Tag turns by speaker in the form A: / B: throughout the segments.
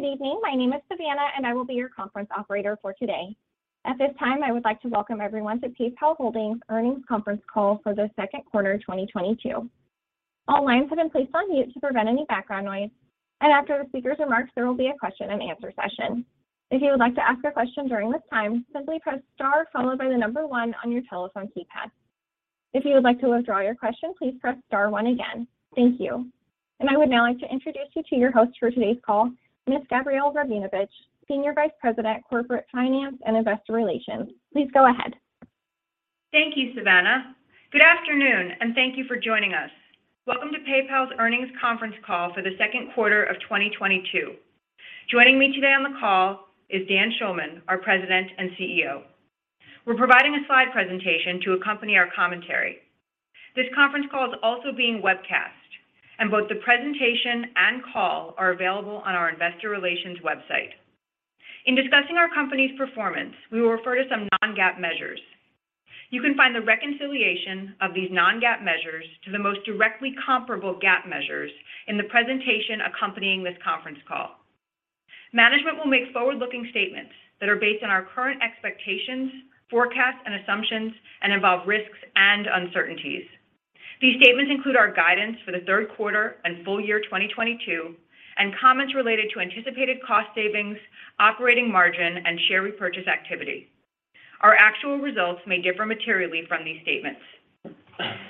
A: Good evening. My name is Savannah, and I will be your conference operator for today. At this time, I would like to welcome everyone to PayPal Holdings earnings conference call for the second quarter of 2022. All lines have been placed on mute to prevent any background noise, and after the speakers' remarks, there will be a question-and-answer session. If you would like to ask a question during this time, simply press star followed by the number one on your telephone keypad. If you would like to withdraw your question, please press star one again. Thank you. I would now like to introduce you to your host for today's call, Ms. Gabrielle Rabinovitch, Senior Vice President, Corporate Finance and Investor Relations. Please go ahead.
B: Thank you, Savannah. Good afternoon, and thank you for joining us. Welcome to PayPal's earnings conference call for the second quarter of 2022. Joining me today on the call is Dan Schulman, our President and CEO. We're providing a slide presentation to accompany our commentary. This conference call is also being webcast, and both the presentation and call are available on our investor relations website. In discussing our company's performance, we will refer to some non-GAAP measures. You can find the reconciliation of these non-GAAP measures to the most directly comparable GAAP measures in the presentation accompanying this conference call. Management will make forward-looking statements that are based on our current expectations, forecasts, and assumptions and involve risks and uncertainties. These statements include our guidance for the third quarter and full year 2022 and comments related to anticipated cost savings, operating margin, and share repurchase activity. Our actual results may differ materially from these statements.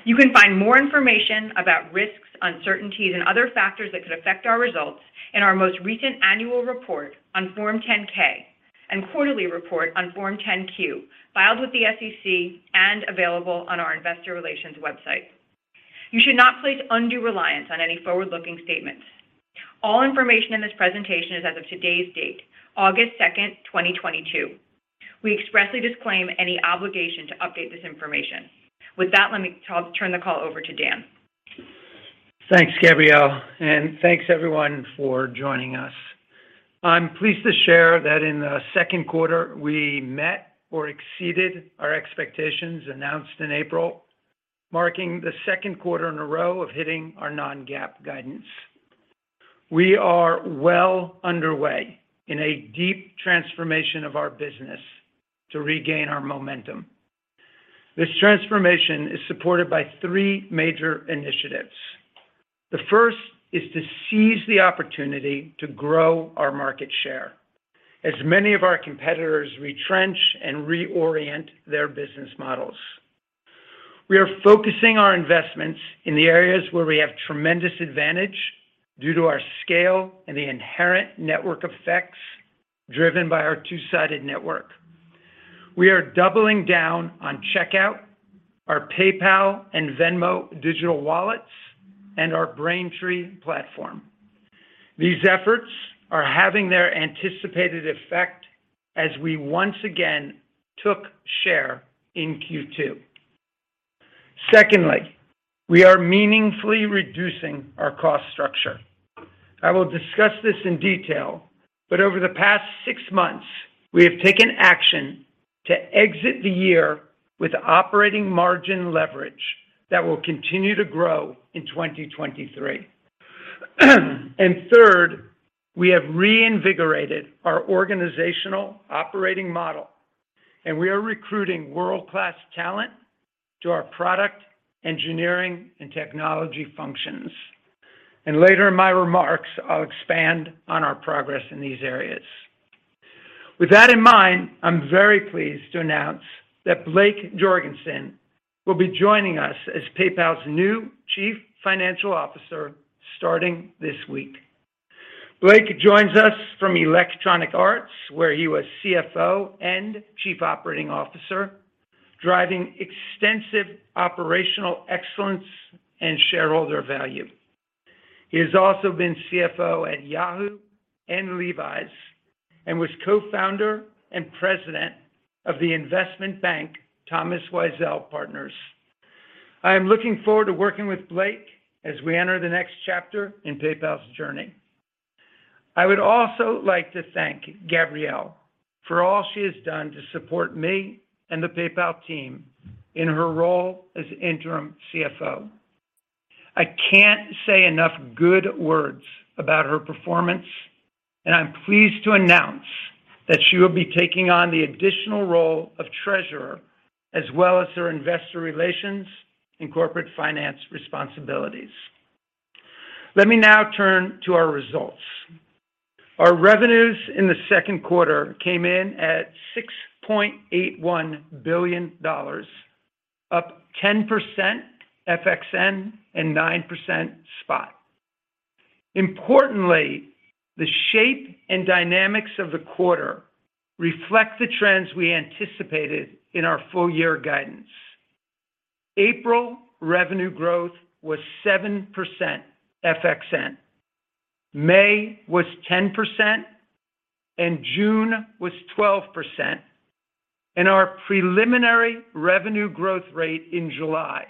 B: You can find more information about risks, uncertainties, and other factors that could affect our results in our most recent annual report on Form 10-K and quarterly report on Form 10-Q filed with the SEC and available on our investor relations website. You should not place undue reliance on any forward-looking statements. All information in this presentation is as of today's date, August 2nd, 2022. We expressly disclaim any obligation to update this information. With that, let me turn the call over to Dan.
C: Thanks, Gabrielle, and thanks everyone for joining us. I'm pleased to share that in the second quarter, we met or exceeded our expectations announced in April, marking the second quarter in a row of hitting our non-GAAP guidance. We are well underway in a deep transformation of our business to regain our momentum. This transformation is supported by three major initiatives. The first is to seize the opportunity to grow our market share as many of our competitors retrench and reorient their business models. We are focusing our investments in the areas where we have tremendous advantage due to our scale and the inherent network effects driven by our two-sided network. We are doubling down on Checkout, our PayPal and Venmo digital wallets, and our Braintree platform. These efforts are having their anticipated effect as we once again took share in Q2. Secondly, we are meaningfully reducing our cost structure. I will discuss this in detail, but over the past six months, we have taken action to exit the year with operating margin leverage that will continue to grow in 2023. Third, we have reinvigorated our organizational operating model, and we are recruiting world-class talent to our product, engineering, and technology functions. Later in my remarks, I'll expand on our progress in these areas. With that in mind, I'm very pleased to announce that Blake Jorgensen will be joining us as PayPal's new Chief Financial Officer starting this week. Blake joins us from Electronic Arts, where he was CFO and Chief Operating Officer, driving extensive operational excellence and shareholder value. He has also been CFO at Yahoo and Levi's and was co-founder and President of the investment bank, Thomas Weisel Partners. I am looking forward to working with Blake as we enter the next chapter in PayPal's journey. I would also like to thank Gabrielle for all she has done to support me and the PayPal team in her role as interim CFO. I can't say enough good words about her performance, and I'm pleased to announce that she will be taking on the additional role of Treasurer, as well as her Investor Relations and Corporate Finance responsibilities. Let me now turn to our results. Our revenues in the second quarter came in at $6.81 billion, up 10% FXN and 9% spot. Importantly, the shape and dynamics of the quarter reflect the trends we anticipated in our full year guidance. April revenue growth was 7% FXN, May was 10%, and June was 12%. Our preliminary revenue growth rate in July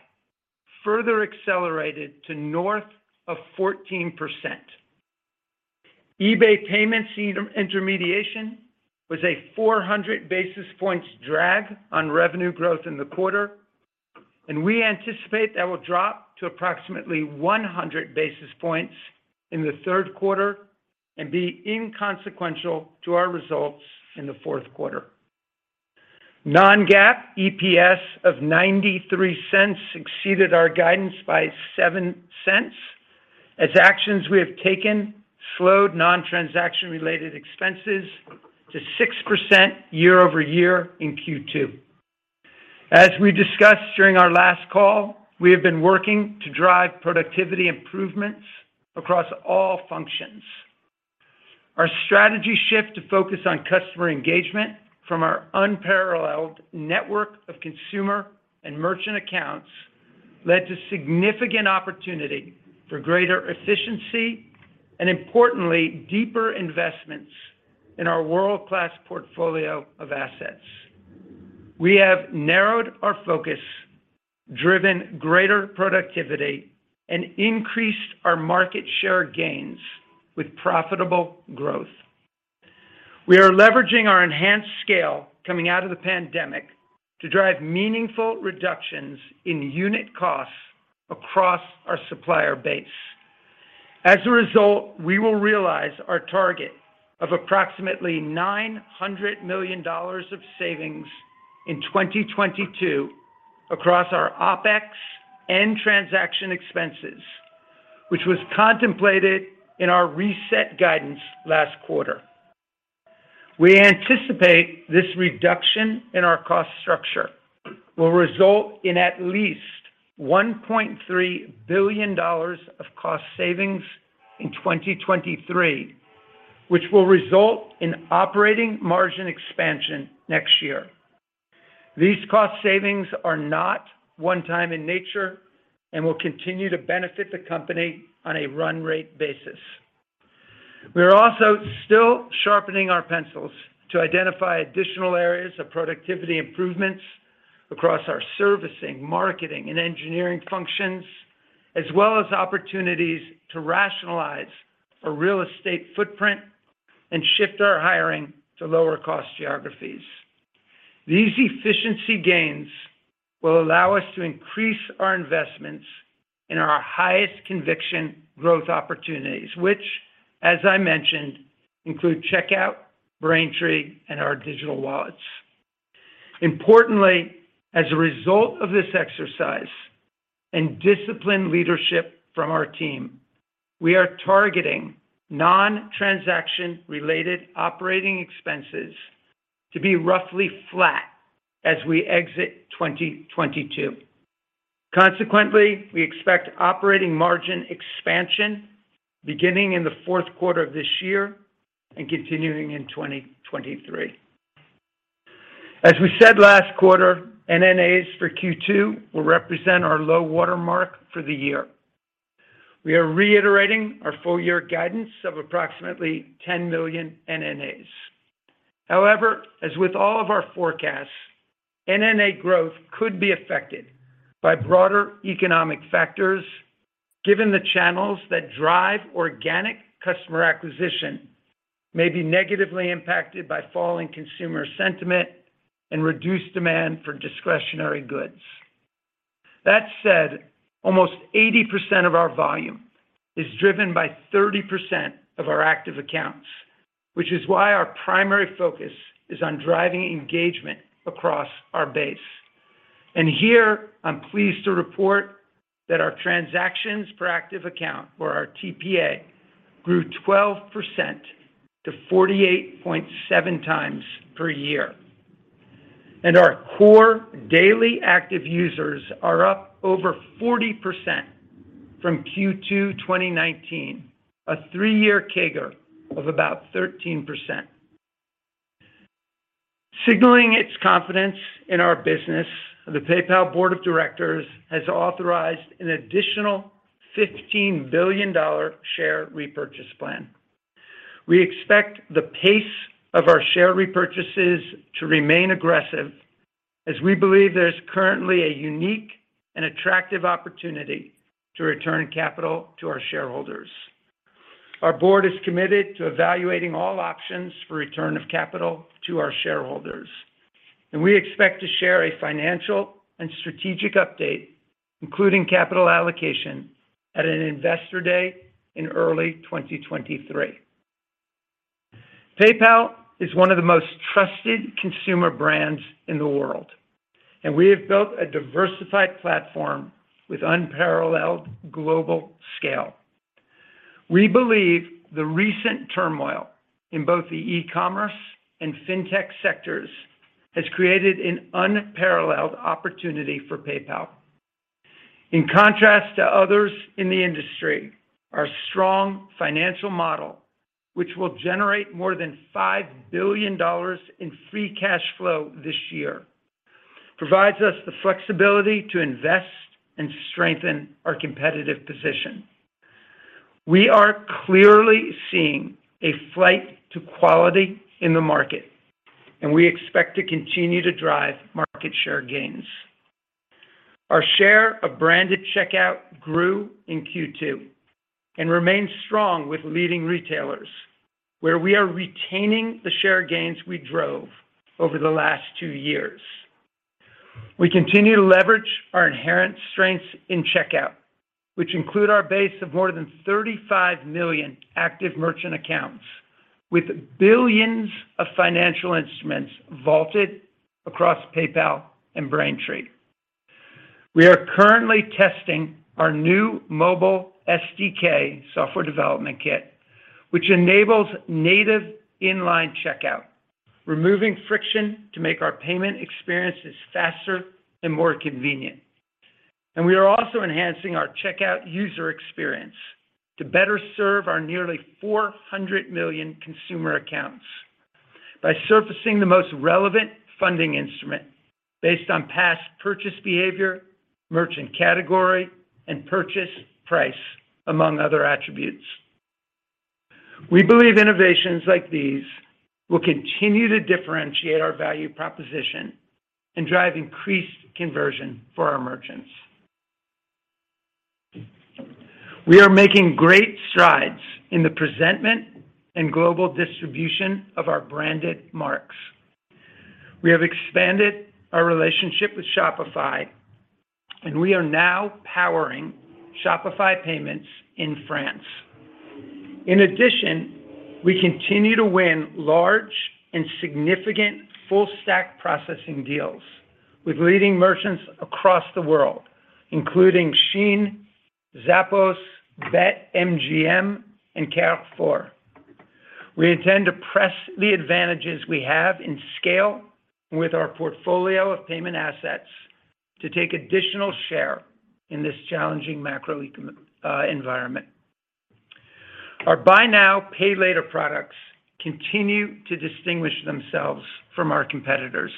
C: further accelerated to north of 14%. eBay payments intermediation was a 400 basis points drag on revenue growth in the quarter. We anticipate that will drop to approximately 100 basis points in the third quarter and be inconsequential to our results in the fourth quarter. Non-GAAP EPS of $0.93 exceeded our guidance by $0.07 as actions we have taken slowed non-transaction-related expenses to 6% year-over-year in Q2. As we discussed during our last call, we have been working to drive productivity improvements across all functions. Our strategy shift to focus on customer engagement from our unparalleled network of consumer and merchant accounts led to significant opportunity for greater efficiency and importantly, deeper investments in our world-class portfolio of assets. We have narrowed our focus, driven greater productivity, and increased our market share gains with profitable growth. We are leveraging our enhanced scale coming out of the pandemic to drive meaningful reductions in unit costs across our supplier base. As a result, we will realize our target of approximately $900 million of savings in 2022 across our OpEx and transaction expenses, which was contemplated in our reset guidance last quarter. We anticipate this reduction in our cost structure will result in at least $1.3 billion of cost savings in 2023, which will result in operating margin expansion next year. These cost savings are not one time in nature and will continue to benefit the company on a run rate basis. We are also still sharpening our pencils to identify additional areas of productivity improvements across our servicing, marketing, and engineering functions, as well as opportunities to rationalize our real estate footprint and shift our hiring to lower cost geographies. These efficiency gains will allow us to increase our investments in our highest conviction growth opportunities, which as I mentioned, include Checkout, Braintree, and our Digital Wallets. Importantly, as a result of this exercise and disciplined leadership from our team, we are targeting non-transaction related operating expenses to be roughly flat as we exit 2022. Consequently, we expect operating margin expansion beginning in the fourth quarter of this year and continuing in 2023. As we said last quarter, NNAs for Q2 will represent our low watermark for the year. We are reiterating our full year guidance of approximately 10 million NNAs. However, as with all of our forecasts, NNA growth could be affected by broader economic factors, given the channels that drive organic customer acquisition may be negatively impacted by falling consumer sentiment and reduced demand for discretionary goods. That said, almost 80% of our volume is driven by 30% of our active accounts, which is why our primary focus is on driving engagement across our base. Here, I'm pleased to report that our transactions per active account or our TPA grew 12% to 48.7x per year. Our core daily active users are up over 40% from Q2 2019, a three-year CAGR of about 13%. Signaling its confidence in our business, the PayPal board of directors has authorized an additional $15 billion share repurchase plan. We expect the pace of our share repurchases to remain aggressive as we believe there's currently a unique and attractive opportunity to return capital to our shareholders. Our board is committed to evaluating all options for return of capital to our shareholders, and we expect to share a financial and strategic update, including capital allocation at an investor day in early 2023. PayPal is one of the most trusted consumer brands in the world, and we have built a diversified platform with unparalleled global scale. We believe the recent turmoil in both the e-commerce and fintech sectors has created an unparalleled opportunity for PayPal. In contrast to others in the industry, our strong financial model, which will generate more than $5 billion in free cash flow this year, provides us the flexibility to invest and strengthen our competitive position. We are clearly seeing a flight to quality in the market, and we expect to continue to drive market share gains. Our share of branded checkout grew in Q2 and remains strong with leading retailers. Where we are retaining the share gains we drove over the last two years. We continue to leverage our inherent strengths in Checkout, which include our base of more than 35 million active merchant accounts with billions of financial instruments vaulted across PayPal and Braintree. We are currently testing our new mobile SDK software development kit, which enables native inline checkout, removing friction to make our payment experiences faster and more convenient. We are also enhancing our checkout user experience to better serve our nearly 400 million consumer accounts by surfacing the most relevant funding instrument based on past purchase behavior, merchant category, and purchase price, among other attributes. We believe innovations like these will continue to differentiate our value proposition and drive increased conversion for our merchants. We are making great strides in the presentment and global distribution of our branded marks. We have expanded our relationship with Shopify, and we are now powering Shopify Payments in France. In addition, we continue to win large and significant full stack processing deals with leading merchants across the world, including Shein, Zappos, BetMGM, and Carrefour. We intend to press the advantages we have in scale with our portfolio of payment assets to take additional share in this challenging macro environment. Our Buy Now Pay Later products continue to distinguish themselves from our competitors.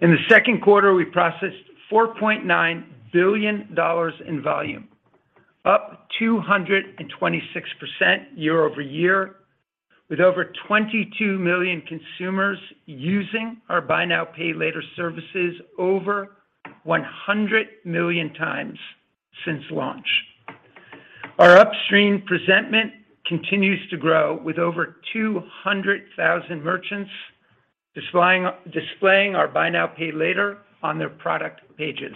C: In the second quarter, we processed $4.9 billion in volume, up 226% year-over-year, with over 22 million consumers using our Buy Now Pay Later services over 100 million times since launch. Our upstream presentment continues to grow with over 200,000 merchants displaying our Buy Now Pay Later on their product pages.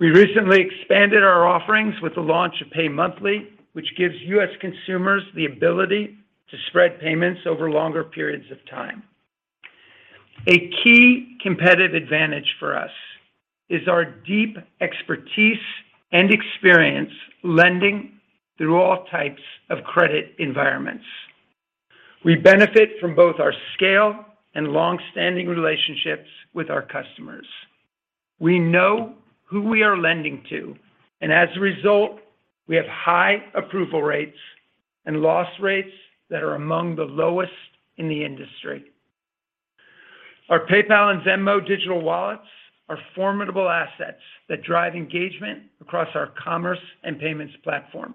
C: We recently expanded our offerings with the launch of Pay Monthly, which gives U.S. consumers the ability to spread payments over longer periods of time. A key competitive advantage for us is our deep expertise and experience lending through all types of credit environments. We benefit from both our scale and long-standing relationships with our customers. We know who we are lending to, and as a result, we have high approval rates and loss rates that are among the lowest in the industry. Our PayPal and Venmo digital wallets are formidable assets that drive engagement across our commerce and payments platform.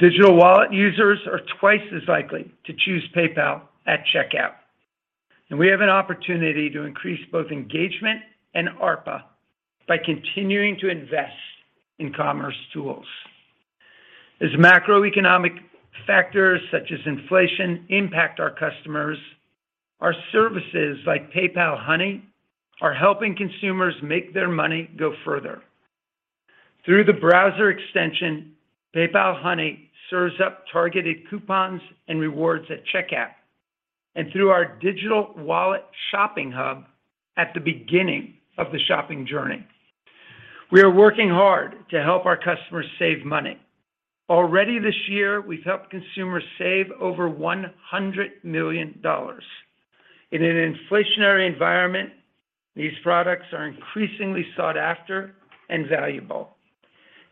C: Digital Wallet users are twice as likely to choose PayPal at Checkout. We have an opportunity to increase both engagement and ARPA by continuing to invest in commerce tools. As macroeconomic factors such as inflation impact our customers, our services like PayPal Honey are helping consumers make their money go further. Through the browser extension, PayPal Honey serves up targeted coupons and rewards at checkout, and through our digital wallet shopping hub at the beginning of the shopping journey. We are working hard to help our customers save money. Already this year, we've helped consumers save over $100 million. In an inflationary environment, these products are increasingly sought after and valuable.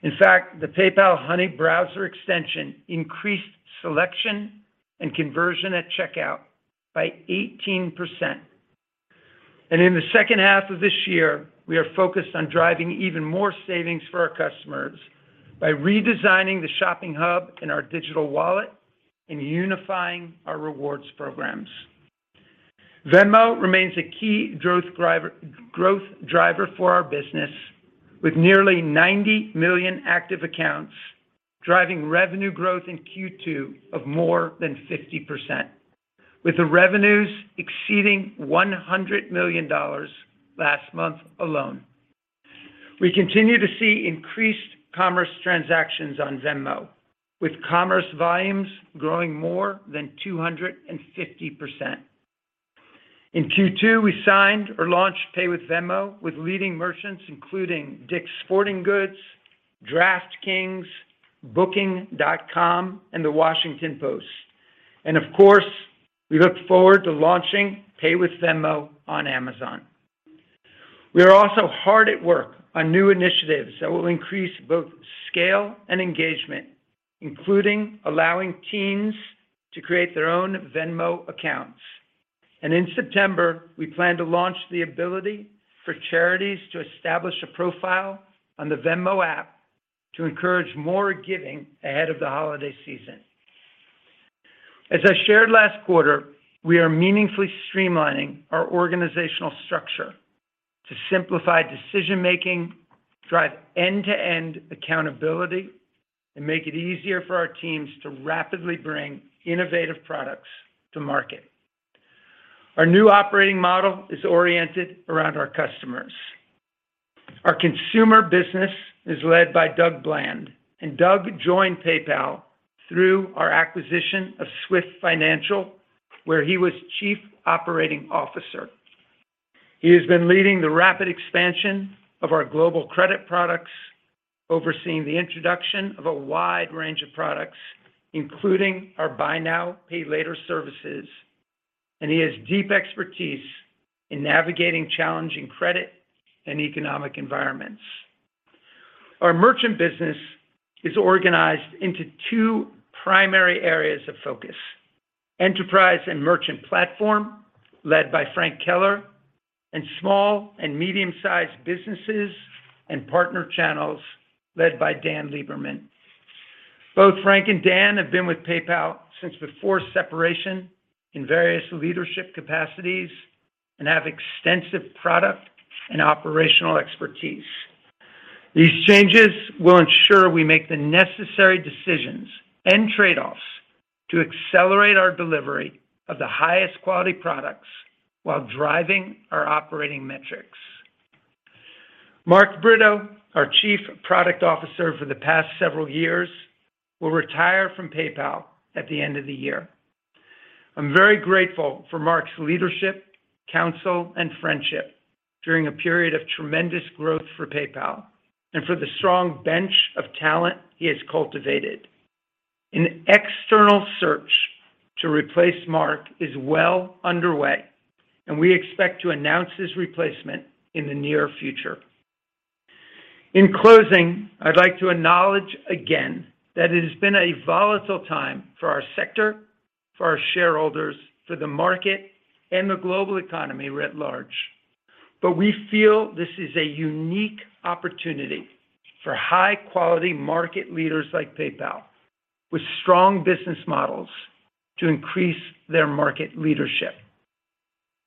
C: In fact, the PayPal Honey browser extension increased selection and conversion at checkout by 18%. In the second half of this year, we are focused on driving even more savings for our customers by redesigning the shopping hub in our digital wallet and unifying our rewards programs. Venmo remains a key growth driver for our business with nearly 90 million active accounts, driving revenue growth in Q2 of more than 50%, with the revenues exceeding $100 million last month alone. We continue to see increased commerce transactions on Venmo, with commerce volumes growing more than 250%. In Q2, we signed or launched Pay with Venmo with leading merchants, including Dick's Sporting Goods, DraftKings, Booking.com, and The Washington Post. Of course, we look forward to launching Pay with Venmo on Amazon. We are also hard at work on new initiatives that will increase both scale and engagement, including allowing teens to create their own Venmo accounts. In September, we plan to launch the ability for charities to establish a profile on the Venmo app to encourage more giving ahead of the holiday season. As I shared last quarter, we are meaningfully streamlining our organizational structure to simplify decision-making, drive end-to-end accountability, and make it easier for our teams to rapidly bring innovative products to market. Our new operating model is oriented around our customers. Our consumer business is led by Doug Bland, and Doug joined PayPal through our acquisition of Swift Financial, where he was Chief Operating Officer. He has been leading the rapid expansion of our global credit products, overseeing the introduction of a wide range of products, including our buy now, pay later services, and he has deep expertise in navigating challenging credit and economic environments. Our merchant business is organized into two primary areas of focus: enterprise and merchant platform, led by Frank Keller, and small and medium-sized businesses and partner channels, led by Dan Lieberman. Both Frank and Dan have been with PayPal since before separation in various leadership capacities and have extensive product and operational expertise. These changes will ensure we make the necessary decisions and trade-offs to accelerate our delivery of the highest quality products while driving our operating metrics. Mark Britto, our Chief Product Officer for the past several years, will retire from PayPal at the end of the year. I'm very grateful for Mark's leadership, counsel, and friendship during a period of tremendous growth for PayPal and for the strong bench of talent he has cultivated. An external search to replace Mark is well underway, and we expect to announce his replacement in the near future. In closing, I'd like to acknowledge again that it has been a volatile time for our sector, for our shareholders, for the market, and the global economy writ large. We feel this is a unique opportunity for high-quality market leaders like PayPal with strong business models to increase their market leadership.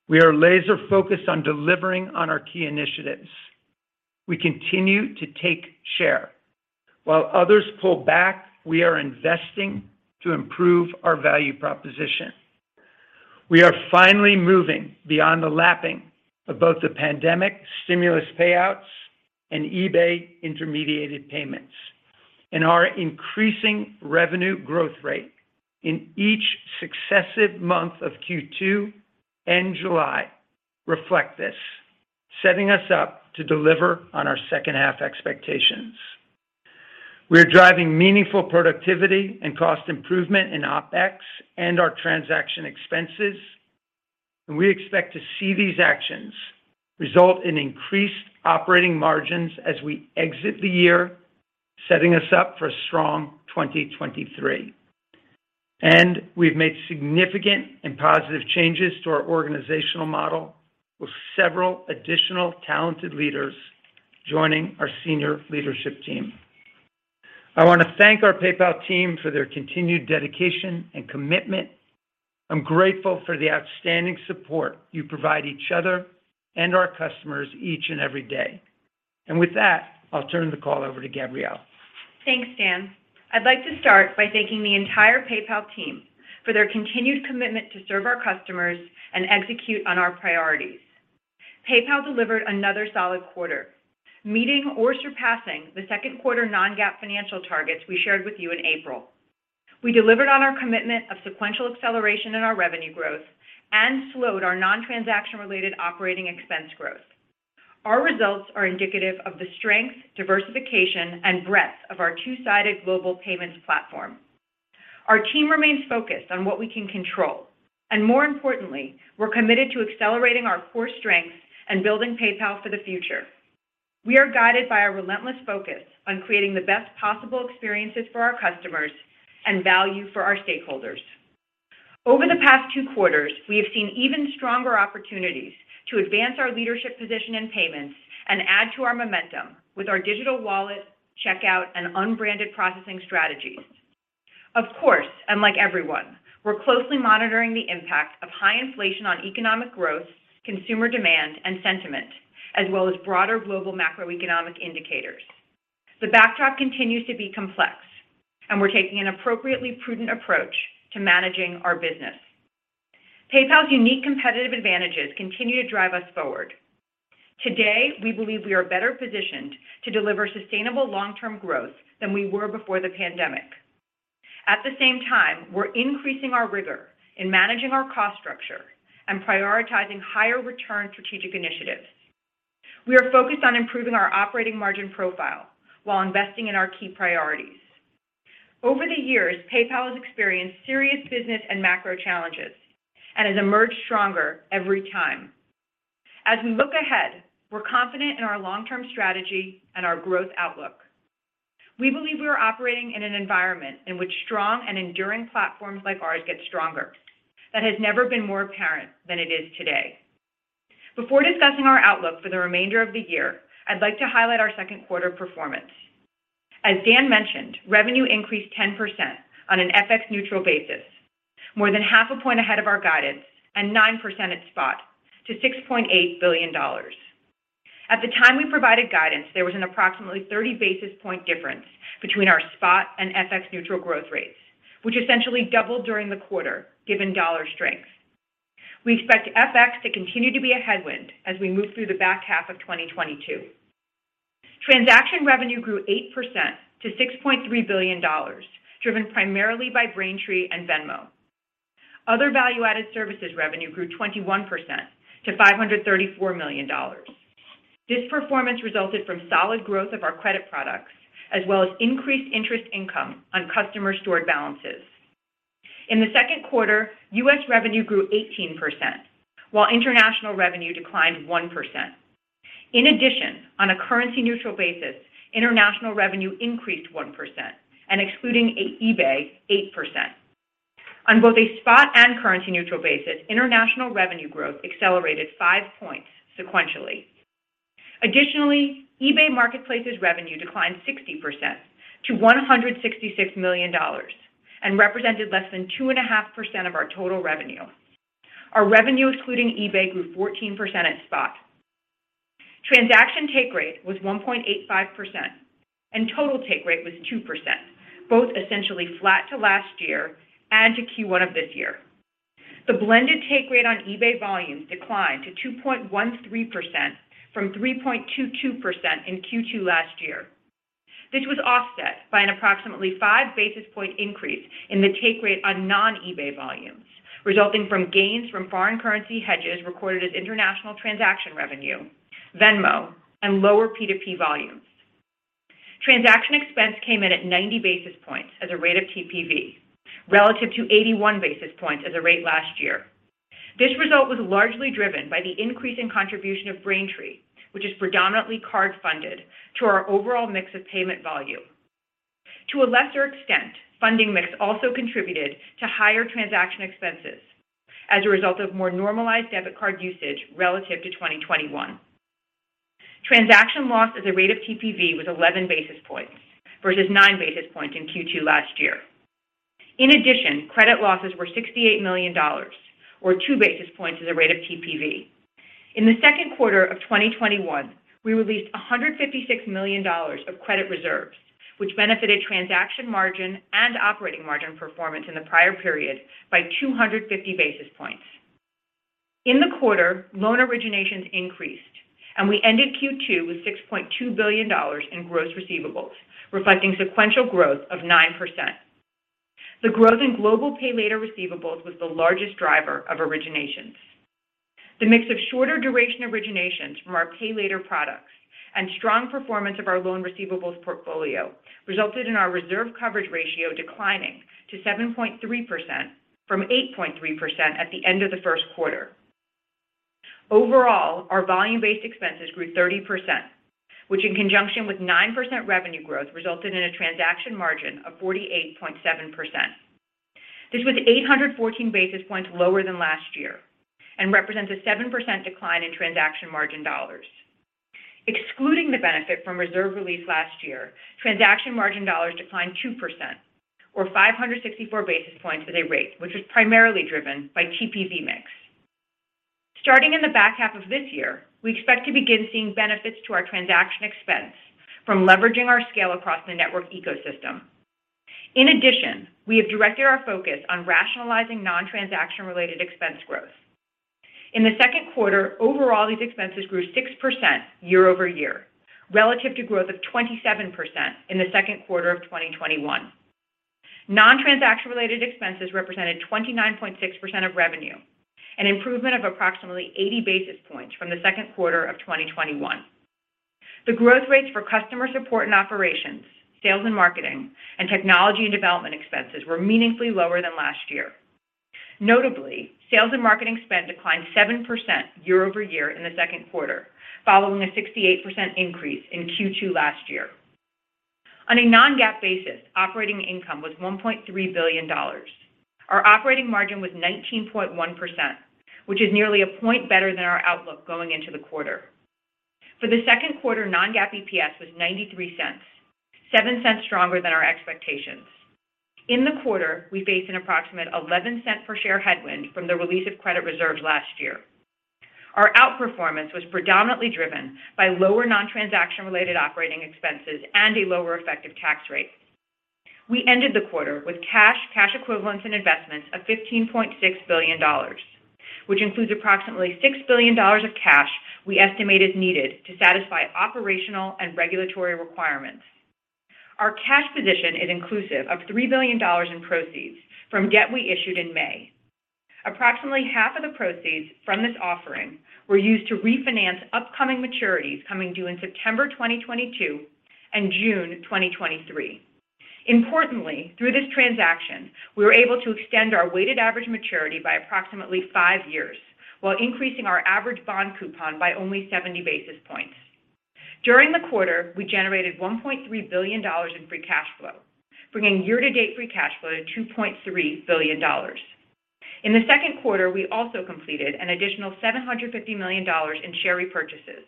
C: We are laser-focused on delivering on our key initiatives. We continue to take share. While others pull back, we are investing to improve our value proposition. We are finally moving beyond the lapping of both the pandemic stimulus payouts and eBay intermediate payments, and our increasing revenue growth rate in each successive month of Q2 and July reflect this, setting us up to deliver on our second half expectations. We are driving meaningful productivity and cost improvement in OpEx and our transaction expenses, and we expect to see these actions result in increased operating margins as we exit the year, setting us up for a strong 2023. We've made significant and positive changes to our organizational model, with several additional talented leaders joining our senior leadership team. I want to thank our PayPal team for their continued dedication and commitment. I'm grateful for the outstanding support you provide each other and our customers each and every day. With that, I'll turn the call over to Gabrielle.
B: Thanks, Dan. I'd like to start by thanking the entire PayPal team for their continued commitment to serve our customers and execute on our priorities. PayPal delivered another solid quarter, meeting or surpassing the second quarter non-GAAP financial targets we shared with you in April. We delivered on our commitment of sequential acceleration in our revenue growth and slowed our non-transaction related operating expense growth. Our results are indicative of the strength, diversification, and breadth of our two-sided global payments platform. Our team remains focused on what we can control, and more importantly, we're committed to accelerating our core strengths and building PayPal for the future. We are guided by a relentless focus on creating the best possible experiences for our customers and value for our stakeholders. Over the past two quarters, we have seen even stronger opportunities to advance our leadership position in payments and add to our momentum with our digital wallet, checkout, and unbranded processing strategies. Of course, and like everyone, we're closely monitoring the impact of high inflation on economic growth, consumer demand, and sentiment, as well as broader global macroeconomic indicators. The backdrop continues to be complex, and we're taking an appropriately prudent approach to managing our business. PayPal's unique competitive advantages continue to drive us forward. Today, we believe we are better positioned to deliver sustainable long-term growth than we were before the pandemic. At the same time, we're increasing our rigor in managing our cost structure and prioritizing higher return strategic initiatives. We are focused on improving our operating margin profile while investing in our key priorities. Over the years, PayPal has experienced serious business and macro challenges and has emerged stronger every time. As we look ahead, we're confident in our long-term strategy and our growth outlook. We believe we are operating in an environment in which strong and enduring platforms like ours get stronger. That has never been more apparent than it is today. Before discussing our outlook for the remainder of the year, I'd like to highlight our second quarter performance. As Dan mentioned, revenue increased 10% on an FX neutral basis, more than half a point ahead of our guidance and 9% at spot to $6.8 billion. At the time we provided guidance, there was an approximately 30 basis point difference between our spot and FX neutral growth rates, which essentially doubled during the quarter, given dollar strength. We expect FX to continue to be a headwind as we move through the back half of 2022. Transaction revenue grew 8% to $6.3 billion, driven primarily by Braintree and Venmo. Other value-added services revenue grew 21% to $534 million. This performance resulted from solid growth of our credit products, as well as increased interest income on customer stored balances. In the second quarter, U.S. revenue grew 18%, while international revenue declined 1%. In addition, on a currency neutral basis, international revenue increased 1% and excluding eBay, 8%. On both a spot and currency neutral basis, international revenue growth accelerated five points sequentially. Additionally, eBay Marketplace's revenue declined 60% to $166 million and represented less than 2.5% of our total revenue. Our revenue, including eBay, grew 14% at spot. Transaction take rate was 1.85%, and total take rate was 2%, both essentially flat to last year and to Q1 of this year. The blended take rate on eBay volumes declined to 2.13% from 3.22% in Q2 last year. This was offset by an approximately 5 basis points increase in the take rate on non-eBay volumes, resulting from gains from foreign currency hedges recorded as international transaction revenue, Venmo, and lower P2P volumes. Transaction expense came in at 90 basis points as a rate of TPV, relative to 81 basis points as a rate last year. This result was largely driven by the increase in contribution of Braintree, which is predominantly card-funded, to our overall mix of payment volume. To a lesser extent, funding mix also contributed to higher transaction expenses as a result of more normalized debit card usage relative to 2021. Transaction loss as a rate of TPV was 11 basis points versus 9 basis points in Q2 last year. In addition, credit losses were $68 million or 2 basis points as a rate of TPV. In the second quarter of 2021, we released $156 million of credit reserves, which benefited transaction margin and operating margin performance in the prior period by 250 basis points. In the quarter, loan originations increased, and we ended Q2 with $6.2 billion in gross receivables, reflecting sequential growth of 9%. The growth in global pay later receivables was the largest driver of originations. The mix of shorter duration originations from our pay later products and strong performance of our loan receivables portfolio resulted in our reserve coverage ratio declining to 7.3% from 8.3% at the end of the first quarter. Overall, our volume-based expenses grew 30%, which in conjunction with 9% revenue growth, resulted in a transaction margin of 48.7%. This was 814 basis points lower than last year and represents a 7% decline in transaction margin dollars. Excluding the benefit from reserve release last year, transaction margin dollars declined 2% or 564 basis points as a rate, which was primarily driven by TPV mix. Starting in the back half of this year, we expect to begin seeing benefits to our transaction expense from leveraging our scale across the network ecosystem. In addition, we have directed our focus on rationalizing non-transaction-related expense growth. In the second quarter, overall, these expenses grew 6% year-over-year relative to growth of 27% in the second quarter of 2021. Non-transaction-related expenses represented 29.6% of revenue, an improvement of approximately 80 basis points from the second quarter of 2021. The growth rates for customer support and operations, sales and marketing, and technology and development expenses were meaningfully lower than last year. Notably, sales and marketing spend declined 7% year-over-year in the second quarter, following a 68% increase in Q2 last year. On a non-GAAP basis, operating income was $1.3 billion. Our operating margin was 19.1%, which is nearly a point better than our outlook going into the quarter. For the second quarter, non-GAAP EPS was $0.93, $0.07 stronger than our expectations. In the quarter, we faced an approximate $0.11 per share headwind from the release of credit reserves last year. Our outperformance was predominantly driven by lower non-transaction related operating expenses and a lower effective tax rate. We ended the quarter with cash equivalents, and investments of $15.6 billion, which includes approximately $6 billion of cash we estimated needed to satisfy operational and regulatory requirements. Our cash position is inclusive of $3 billion in proceeds from debt we issued in May. Approximately $1.5 billion of the proceeds from this offering were used to refinance upcoming maturities coming due in September 2022 and June 2023. Importantly, through this transaction, we were able to extend our weighted average maturity by approximately five years while increasing our average bond coupon by only 70 basis points. During the quarter, we generated $1.3 billion in free cash flow, bringing year-to-date free cash flow to $2.3 billion. In the second quarter, we also completed an additional $750 million in share repurchases,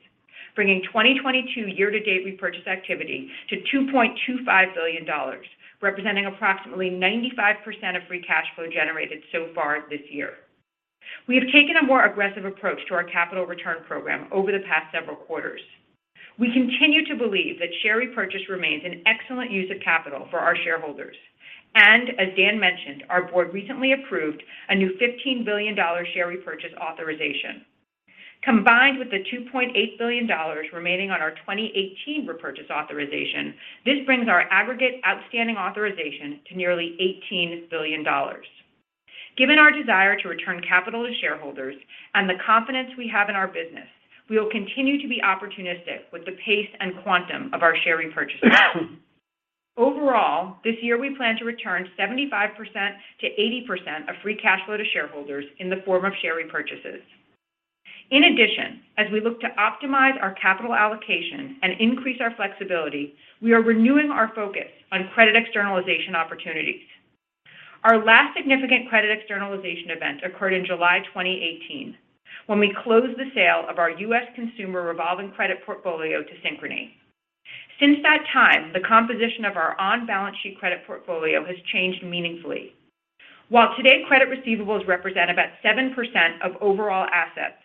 B: bringing 2022 year-to-date repurchase activity to $2.25 billion, representing approximately 95% of free cash flow generated so far this year. We have taken a more aggressive approach to our capital return program over the past several quarters. We continue to believe that share repurchase remains an excellent use of capital for our shareholders. As Dan mentioned, our board recently approved a new $15 billion share repurchase authorization. Combined with the $2.8 billion remaining on our 2018 repurchase authorization, this brings our aggregate outstanding authorization to nearly $18 billion. Given our desire to return capital to shareholders and the confidence we have in our business, we will continue to be opportunistic with the pace and quantum of our share repurchases. Overall, this year we plan to return 75%-80% of free cash flow to shareholders in the form of share repurchases. In addition, as we look to optimize our capital allocation and increase our flexibility, we are renewing our focus on credit externalization opportunities. Our last significant credit externalization event occurred in July 2018, when we closed the sale of our U.S. consumer revolving credit portfolio to Synchrony. Since that time, the composition of our on-balance sheet credit portfolio has changed meaningfully. While today, credit receivables represent about 7% of overall assets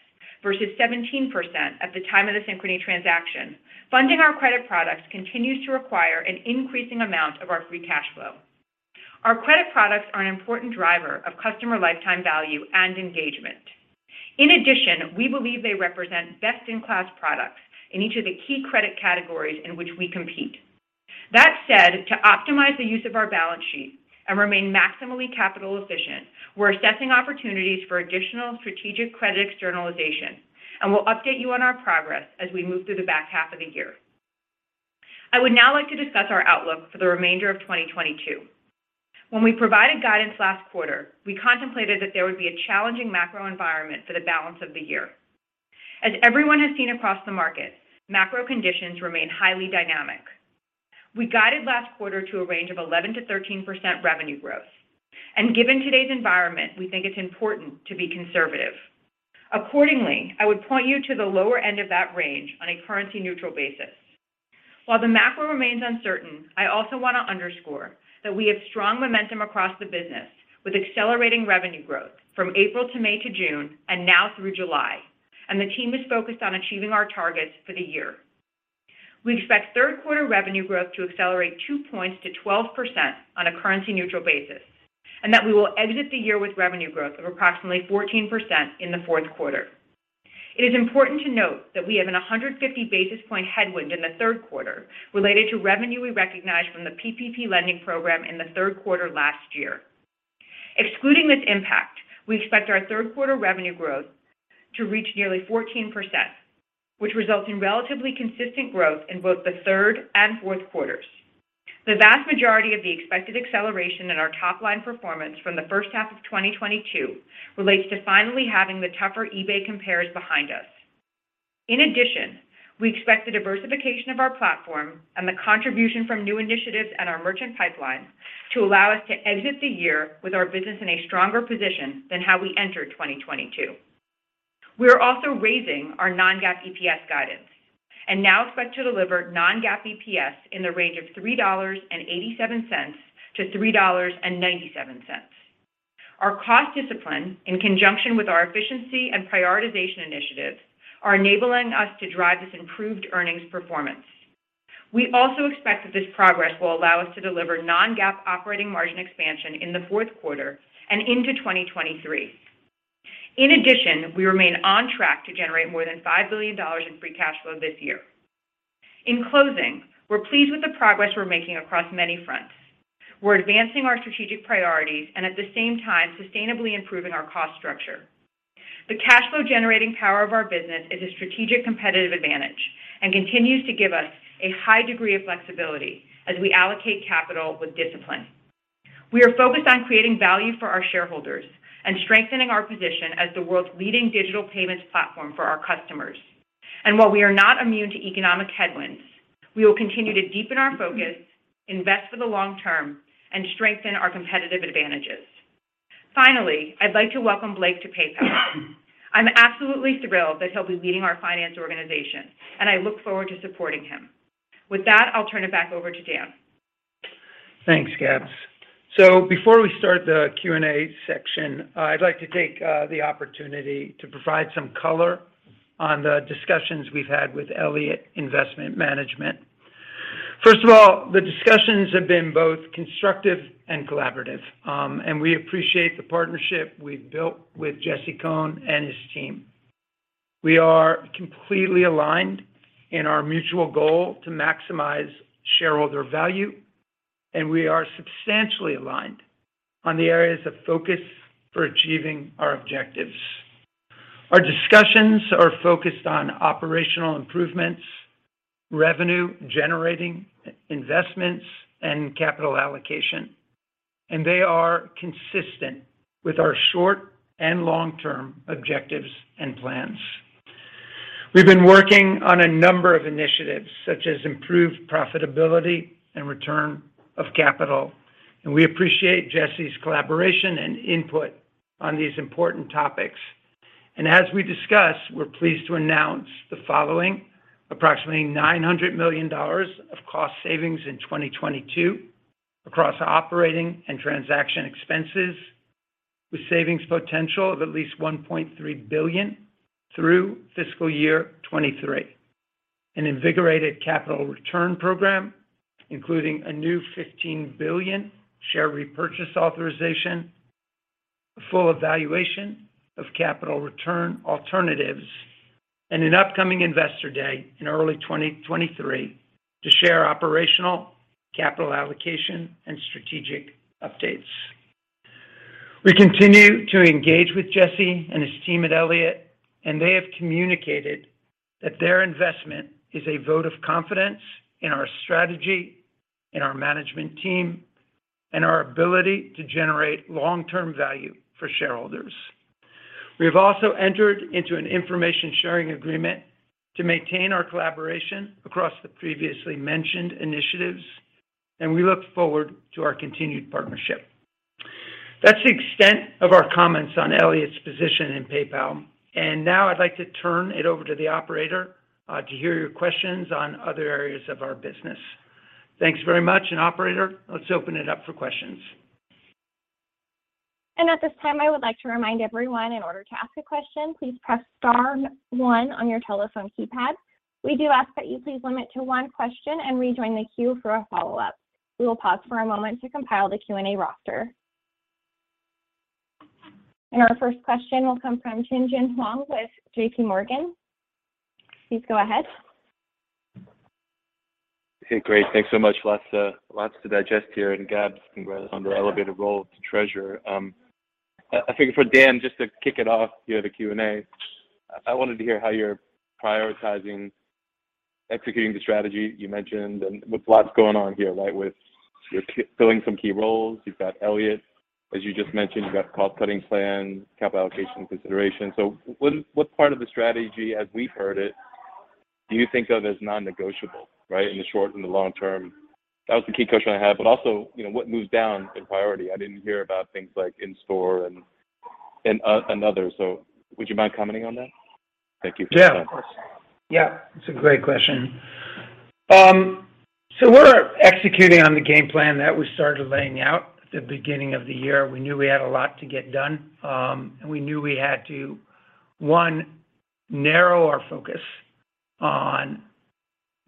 B: versus 17% at the time of the Synchrony transaction, funding our credit products continues to require an increasing amount of our free cash flow. Our credit products are an important driver of customer lifetime value and engagement. In addition, we believe they represent best-in-class products in each of the key credit categories in which we compete. That said, to optimize the use of our balance sheet and remain maximally capital efficient, we're assessing opportunities for additional strategic credit externalization, and we'll update you on our progress as we move through the back half of the year. I would now like to discuss our outlook for the remainder of 2022. When we provided guidance last quarter, we contemplated that there would be a challenging macro environment for the balance of the year. As everyone has seen across the market, macro conditions remain highly dynamic. We guided last quarter to a range of 11%-13% revenue growth. Given today's environment, we think it's important to be conservative. Accordingly, I would point you to the lower end of that range on a currency-neutral basis. While the macro remains uncertain, I also want to underscore that we have strong momentum across the business with accelerating revenue growth from April to May to June, and now through July, and the team is focused on achieving our targets for the year. We expect third-quarter revenue growth to accelerate two points to 12% on a currency-neutral basis, and that we will exit the year with revenue growth of approximately 14% in the fourth quarter. It is important to note that we have a 150 basis point headwind in the third quarter related to revenue we recognized from the PPP lending program in the third quarter last year. Excluding this impact, we expect our third-quarter revenue growth to reach nearly 14%, which results in relatively consistent growth in both the third and fourth quarters. The vast majority of the expected acceleration in our top-line performance from the first half of 2022 relates to finally having the tougher eBay compares behind us. In addition, we expect the diversification of our platform and the contribution from new initiatives and our merchant pipeline to allow us to exit the year with our business in a stronger position than how we entered 2022. We are also raising our non-GAAP EPS guidance and now expect to deliver non-GAAP EPS in the range of $3.87-$3.97. Our cost discipline, in conjunction with our efficiency and prioritization initiatives, are enabling us to drive this improved earnings performance. We also expect that this progress will allow us to deliver non-GAAP operating margin expansion in the fourth quarter and into 2023. In addition, we remain on track to generate more than $5 billion in free cash flow this year. In closing, we're pleased with the progress we're making across many fronts. We're advancing our strategic priorities and at the same time, sustainably improving our cost structure. The cash flow generating power of our business is a strategic competitive advantage and continues to give us a high degree of flexibility as we allocate capital with discipline. We are focused on creating value for our shareholders and strengthening our position as the world's leading digital payments platform for our customers. While we are not immune to economic headwinds, we will continue to deepen our focus, invest for the long term, and strengthen our competitive advantages. Finally, I'd like to welcome Blake to PayPal. I'm absolutely thrilled that he'll be leading our finance organization, and I look forward to supporting him. With that, I'll turn it back over to Dan.
C: Thanks, Gabs. Before we start the Q&A section, I'd like to take the opportunity to provide some color on the discussions we've had with Elliott Investment Management. First of all, the discussions have been both constructive and collaborative, and we appreciate the partnership we've built with Jesse Cohn and his team. We are completely aligned in our mutual goal to maximize shareholder value, and we are substantially aligned on the areas of focus for achieving our objectives. Our discussions are focused on operational improvements, revenue-generating investments, and capital allocation, and they are consistent with our short and long-term objectives and plans. We've been working on a number of initiatives, such as improved profitability and return of capital, and we appreciate Jesse's collaboration and input on these important topics. As we discuss, we're pleased to announce the following. Approximately $900 million of cost savings in 2022 across operating and transaction expenses with savings potential of at least $1.3 billion through fiscal year 2023. An invigorated capital return program, including a new $15 billion share repurchase authorization, a full evaluation of capital return alternatives, and an upcoming Investor Day in early 2023 to share operational, capital allocation, and strategic updates. We continue to engage with Jesse and his team at Elliott, and they have communicated that their investment is a vote of confidence in our strategy, in our management team, and our ability to generate long-term value for shareholders. We have also entered into an information sharing agreement to maintain our collaboration across the previously mentioned initiatives, and we look forward to our continued partnership. That's the extent of our comments on Elliott's position in PayPal. Now I'd like to turn it over to the operator to hear your questions on other areas of our business. Thanks very much. Operator, let's open it up for questions.
A: At this time, I would like to remind everyone in order to ask a question, please press star one on your telephone keypad. We do ask that you please limit to one question and rejoin the queue for a follow-up. We will pause for a moment to compile the Q&A roster. Our first question will come from Tien-Tsin Huang with J.P. Morgan. Please go ahead.
D: Hey, great. Thanks so much. Lots to digest here. Gab, congrats on the elevated role to treasurer. I think for Dan, just to kick it off here, the Q&A, I wanted to hear how you're prioritizing executing the strategy you mentioned and with lots going on here, right? With you filling some key roles. You've got Elliott, as you just mentioned, you've got cost-cutting plan, capital allocation consideration. What part of the strategy as we've heard it, do you think of as non-negotiable, right? In the short and the long term. That was the key question I had. Also, you know, what moves down in priority. I didn't hear about things like in-store and another, so would you mind commenting on that? Thank you for your time.
C: Yeah. Of course. Yeah, it's a great question. So we're executing on the game plan that we started laying out at the beginning of the year. We knew we had a lot to get done, and we knew we had to, one, narrow our focus on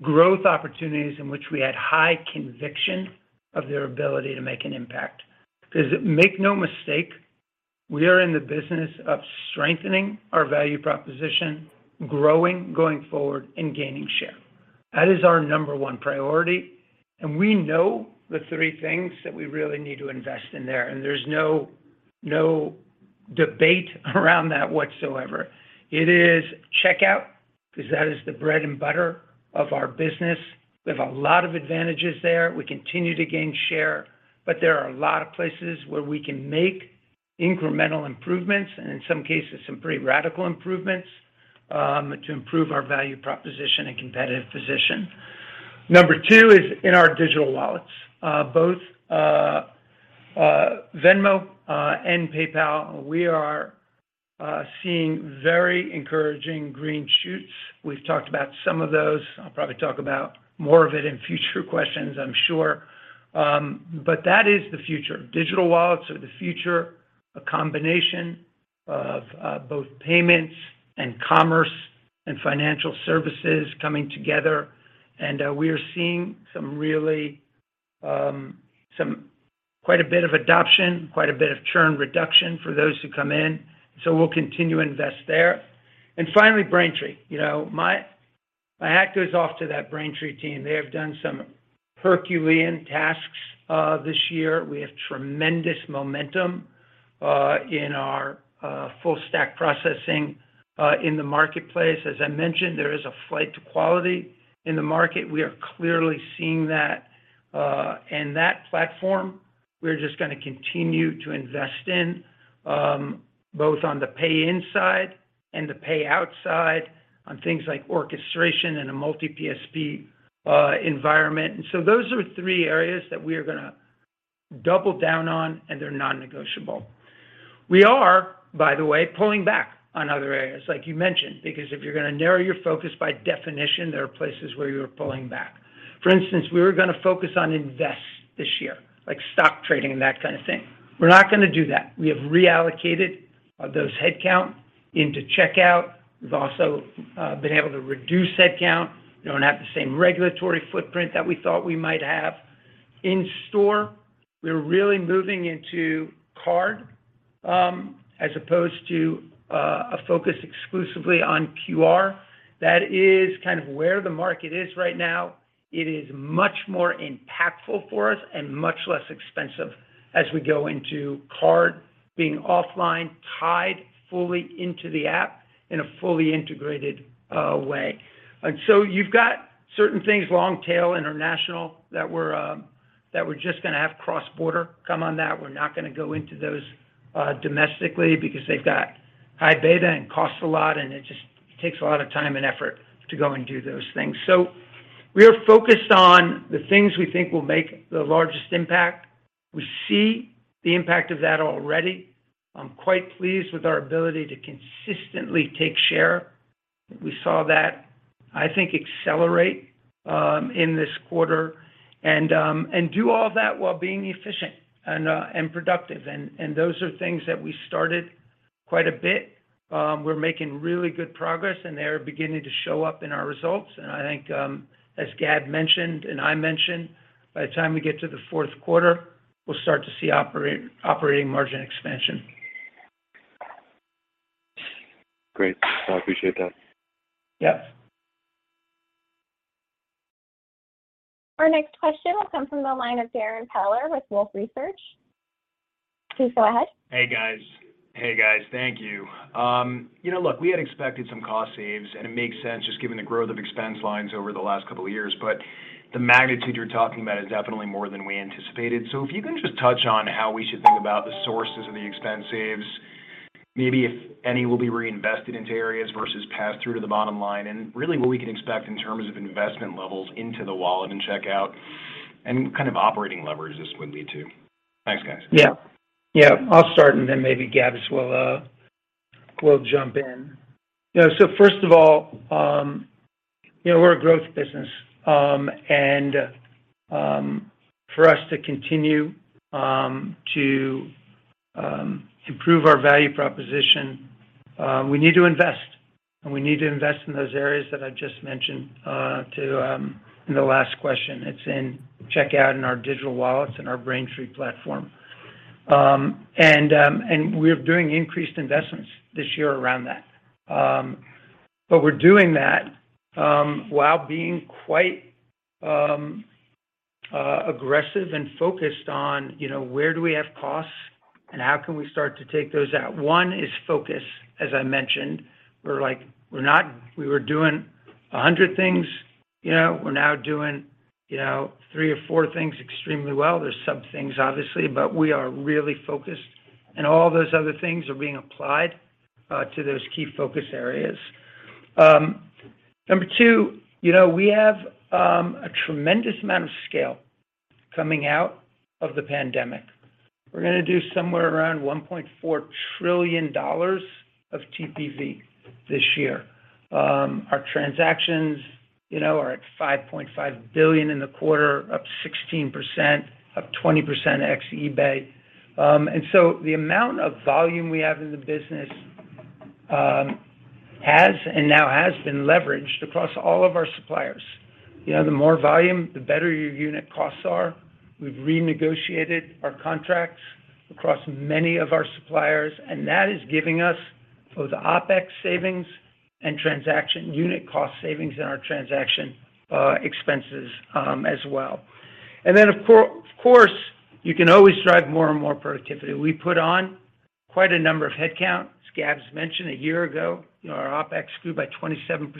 C: growth opportunities in which we had high conviction of their ability to make an impact. 'Cause make no mistake, we are in the business of strengthening our value proposition, growing going forward, and gaining share. That is our number one priority, and we know the three things that we really need to invest in there, and there's no debate around that whatsoever. It is Checkout, 'cause that is the bread and butter of our business. We have a lot of advantages there. We continue to gain share, but there are a lot of places where we can make incremental improvements and in some cases, some pretty radical improvements to improve our value proposition and competitive position. Number two is in our Digital Wallets, both Venmo and PayPal. We are seeing very encouraging green shoots. We've talked about some of those. I'll probably talk about more of it in future questions, I'm sure. That is the future. Digital wallets are the future, a combination of both payments and commerce and financial services coming together. We are seeing some really quite a bit of adoption, quite a bit of churn reduction for those who come in, so we'll continue to invest there. Finally, Braintree. You know, my hat goes off to that Braintree team. They have done some Herculean tasks this year. We have tremendous momentum in our full stack processing in the marketplace. As I mentioned, there is a flight to quality in the market. We are clearly seeing that. That platform, we're just gonna continue to invest in, both on the pay-in side and the pay-out side on things like orchestration and a multi-PSP environment. Those are three areas that we are gonna double down on, and they're non-negotiable. We are, by the way, pulling back on other areas, like you mentioned, because if you're gonna narrow your focus by definition, there are places where you are pulling back. For instance, we were gonna focus on invest this year, like stock trading and that kind of thing. We're not gonna do that. We have reallocated those headcount into checkout. We've also been able to reduce headcount. We don't have the same regulatory footprint that we thought we might have. In store, we are really moving into card as opposed to a focus exclusively on QR. That is kind of where the market is right now. It is much more impactful for us and much less expensive as we go into card being offline, tied fully into the app in a fully integrated way. You've got certain things, long tail international, that we're just gonna have cross-border come on that. We're not gonna go into those domestically because they've got high beta and costs a lot, and it just takes a lot of time and effort to go and do those things. We are focused on the things we think will make the largest impact. We see the impact of that already. I'm quite pleased with our ability to consistently take share. We saw that, I think, accelerate in this quarter and do all that while being efficient and productive. Those are things that we started quite a bit. We're making really good progress, and they are beginning to show up in our results. I think, as Gab mentioned and I mentioned, by the time we get to the fourth quarter, we'll start to see operating margin expansion.
D: Great. I appreciate that.
C: Yeah.
A: Our next question will come from the line of Darrin Peller with Wolfe Research. Please go ahead.
E: Hey, guys. Thank you. You know, look, we had expected some cost savings, and it makes sense just given the growth of expense lines over the last couple of years, but the magnitude you're talking about is definitely more than we anticipated. If you can just touch on how we should think about the sources of the expense savings, maybe if any will be reinvested into areas versus passed through to the bottom line and really what we can expect in terms of investment levels into the wallet and checkout and kind of operating leverage this would lead to. Thanks, guys.
C: Yeah. Yeah. I'll start and then maybe Gab as well will jump in. You know, so first of all, you know, we're a growth business. For us to continue to improve our value proposition, we need to invest, and we need to invest in those areas that I just mentioned to in the last question. It's in Checkout in our Digital Wallets and our Braintree platform. And we're doing increased investments this year around that. But we're doing that while being quite aggressive and focused on, you know, where do we have costs and how can we start to take those out. One is focus, as I mentioned. We're like, we're not. We were doing 100 things, you know, we're now doing, you know, three or four things extremely well. There's sub things obviously, but we are really focused and all those other things are being applied to those key focus areas. Number two, you know, we have a tremendous amount of scale coming out of the pandemic. We're gonna do somewhere around $1.4 trillion of TPV this year. Our transactions, you know, are at 5.5 billion in the quarter, up 16%, up 20% ex eBay. The amount of volume we have in the business has and now has been leveraged across all of our suppliers. You know, the more volume, the better your unit costs are. We've renegotiated our contracts across many of our suppliers, and that is giving us both the OpEx savings and transaction unit cost savings in our transaction expenses as well. Of course, you can always drive more and more productivity. We put on quite a number of headcount. As Gab's mentioned, a year ago, our OpEx grew by 27%.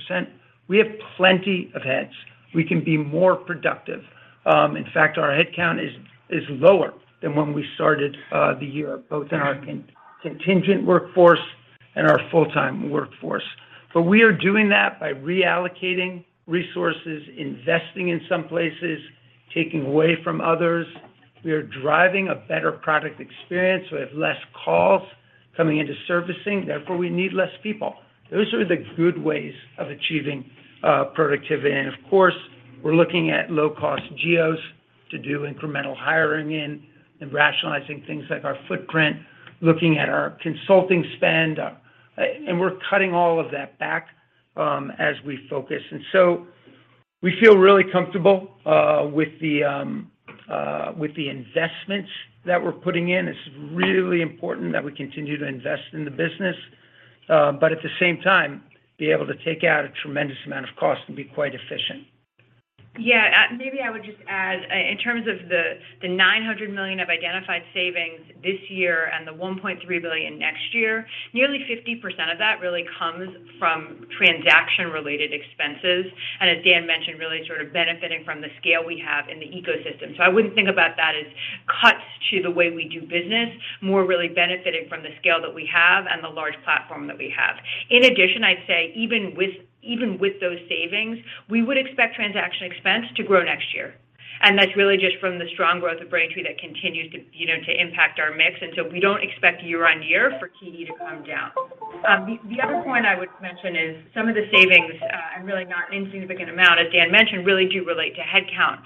C: We have plenty of heads. We can be more productive. In fact, our headcount is lower than when we started the year, both in our contingent workforce and our full-time workforce. We are doing that by reallocating resources, investing in some places, taking away from others. We are driving a better product experience. We have less calls coming into servicing, therefore we need less people. Those are the good ways of achieving productivity. Of course, we're looking at low-cost geos to do incremental hiring in and rationalizing things like our footprint, looking at our consulting spend. We're cutting all of that back as we focus. We feel really comfortable with the investments that we're putting in. It's really important that we continue to invest in the business, but at the same time, be able to take out a tremendous amount of cost and be quite efficient.
B: Maybe I would just add in terms of the $900 million of identified savings this year and the $1.3 billion next year, nearly 50% of that really comes from transaction-related expenses, and as Dan mentioned, really sort of benefiting from the scale we have in the ecosystem. I wouldn't think about that as cuts to the way we do business, more really benefiting from the scale that we have and the large platform that we have. In addition, I'd say even with those savings, we would expect transaction expense to grow next year. That's really just from the strong growth of Braintree that continues to, you know, to impact our mix. We don't expect year-over-year for TPV to come down. The other point I would mention is some of the savings, and really not insignificant amount, as Dan mentioned, really do relate to headcount.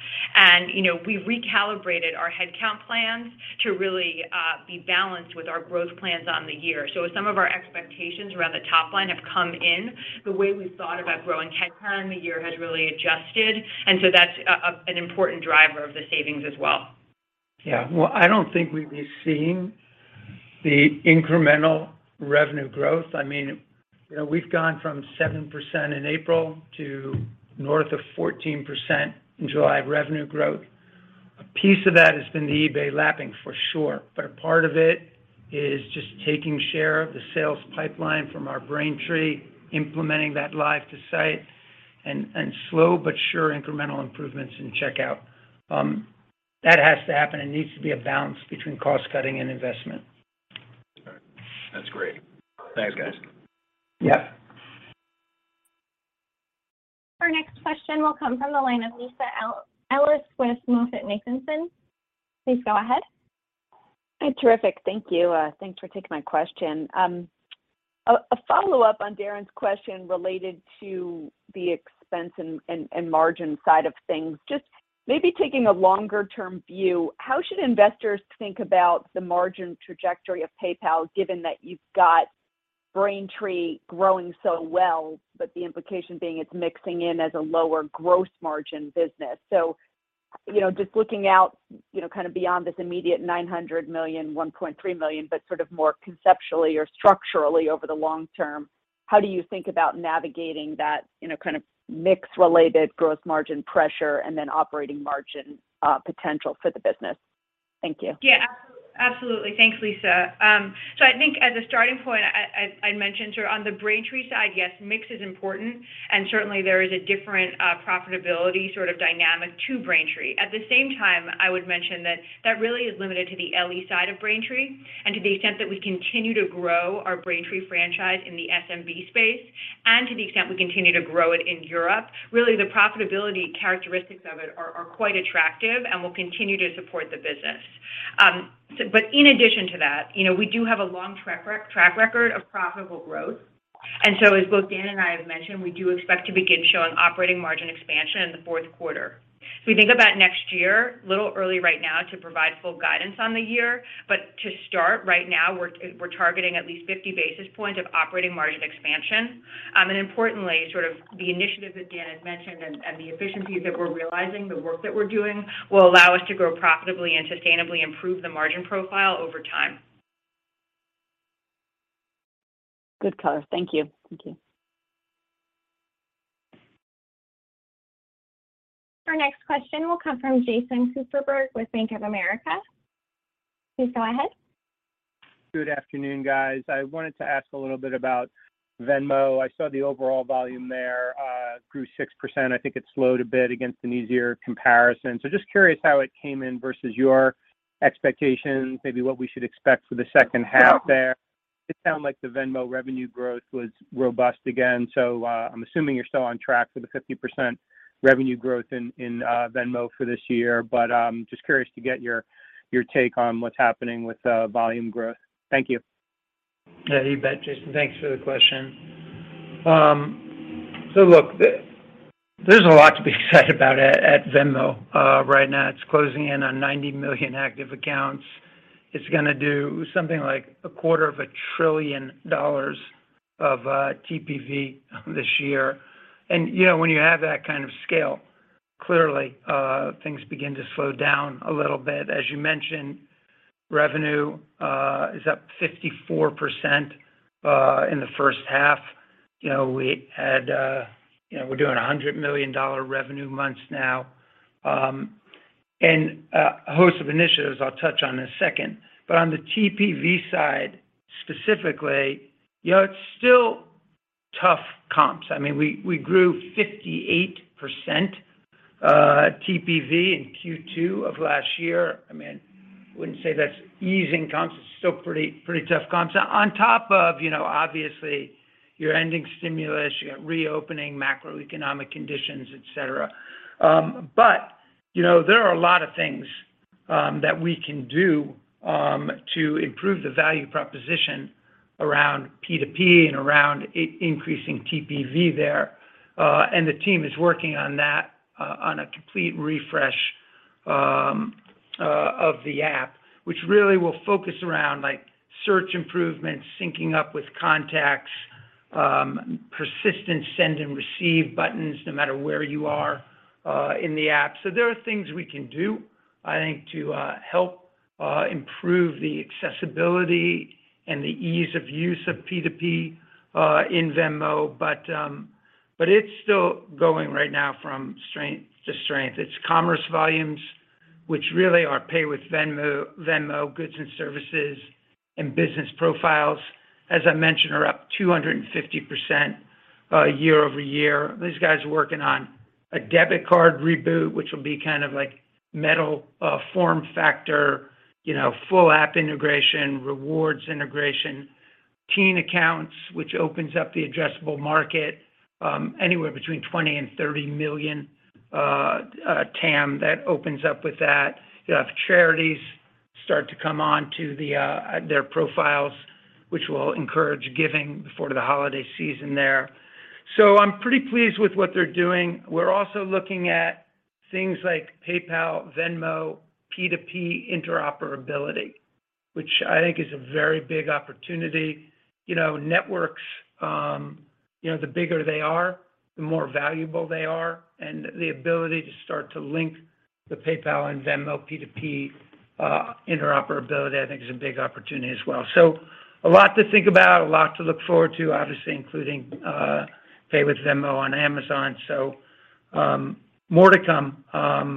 B: You know, we recalibrated our headcount plans to really be balanced with our growth plans on the year. As some of our expectations around the top line have come in, the way we thought about growing headcount the year has really adjusted, and so that's an important driver of the savings as well.
C: Yeah. Well, I don't think we'd be seeing the incremental revenue growth. I mean, you know, we've gone from 7% in April to north of 14% in July of revenue growth. A piece of that has been the eBay lapping for sure, but a part of it is just taking share of the sales pipeline from our Braintree, implementing that live to site, and slow but sure incremental improvements in Checkout. That has to happen. It needs to be a balance between cost-cutting and investment.
E: All right. That's great. Thanks, guys.
C: Yeah.
A: Our next question will come from the line of Lisa Ellis with MoffettNathanson. Please go ahead.
F: Terrific. Thank you. Thanks for taking my question. A follow-up on Darrin's question related to the expense and margin side of things. Just maybe taking a longer-term view, how should investors think about the margin trajectory of PayPal given that you've got Braintree growing so well, but the implication being it's mixing in as a lower gross margin business? You know, just looking out, you know, kind of beyond this immediate $900 million, $1.3 billion, but sort of more conceptually or structurally over the long term, how do you think about navigating that, you know, kind of mix-related gross margin pressure and then operating margin potential for the business? Thank you.
B: Yeah. Absolutely. Thanks, Lisa. I think as a starting point, I mentioned sort of on the Braintree side, yes, mix is important, and certainly, there is a different profitability sort of dynamic to Braintree. At the same time, I would mention that really is limited to the LE side of Braintree and to the extent that we continue to grow our Braintree franchise in the SMB space and to the extent we continue to grow it in Europe. Really, the profitability characteristics of it are quite attractive and will continue to support the business. In addition to that, you know, we do have a long track record of profitable growth. As both Dan and I have mentioned, we do expect to begin showing operating margin expansion in the fourth quarter. If we think about next year, a little early right now to provide full guidance on the year, but to start right now, we're targeting at least 50 basis points of operating margin expansion. Importantly, sort of the initiatives that Dan had mentioned and the efficiencies that we're realizing, the work that we're doing will allow us to grow profitably and sustainably improve the margin profile over time.
F: Good color. Thank you.
B: Thank you.
A: Our next question will come from Jason Kupferberg with Bank of America. Please go ahead.
G: Good afternoon, guys. I wanted to ask a little bit about Venmo. I saw the overall volume there grew 6%. I think it slowed a bit against an easier comparison. Just curious how it came in versus your expectations, maybe what we should expect for the second half there. It sounded like the Venmo revenue growth was robust again. I'm assuming you're still on track for the 50% revenue growth in Venmo for this year. Just curious to get your take on what's happening with volume growth. Thank you.
C: Yeah, you bet, Jason. Thanks for the question. So look, there's a lot to be excited about at Venmo right now. It's closing in on 90 million active accounts. It's gonna do something like a quarter of a trillion dollars of TPV this year. You know, when you have that kind of scale, clearly things begin to slow down a little bit. As you mentioned, revenue is up 54% in the first half. You know, we had, you know, we're doing $100 million revenue months now, and a host of initiatives I'll touch on in a second. On the TPV side, specifically, you know, it's still tough comps. I mean, we grew 58% TPV in Q2 of last year. I mean, I wouldn't say that's easing comps. It's still pretty tough comps. On top of, you know, obviously, you're ending stimulus, you got reopening macroeconomic conditions, et cetera. You know, there are a lot of things that we can do to improve the value proposition around P2P and around increasing TPV there. The team is working on that, on a complete refresh of the app, which really will focus around, like, search improvements, syncing up with contacts, persistent send and receive buttons no matter where you are in the app. There are things we can do, I think, to help improve the accessibility and the ease of use of P2P in Venmo. It's still going right now from strength to strength. Its commerce volumes, which really are Pay with Venmo goods and services and business profiles, as I mentioned, are up 250%, year-over-year. These guys are working on a debit card reboot, which will be kind of like metal form factor, you know, full app integration, rewards integration, teen accounts, which opens up the addressable market anywhere between 20 and 30 million TAM that opens up with that. You'll have charities start to come on to their profiles, which will encourage giving before the holiday season there. I'm pretty pleased with what they're doing. We're also looking at things like PayPal, Venmo P2P interoperability, which I think is a very big opportunity. You know, networks, you know, the bigger they are, the more valuable they are, and the ability to start to link the PayPal, and Venmo P2P interoperability, I think is a big opportunity as well. A lot to think about, a lot to look forward to, obviously, including Pay with Venmo on Amazon. More to come,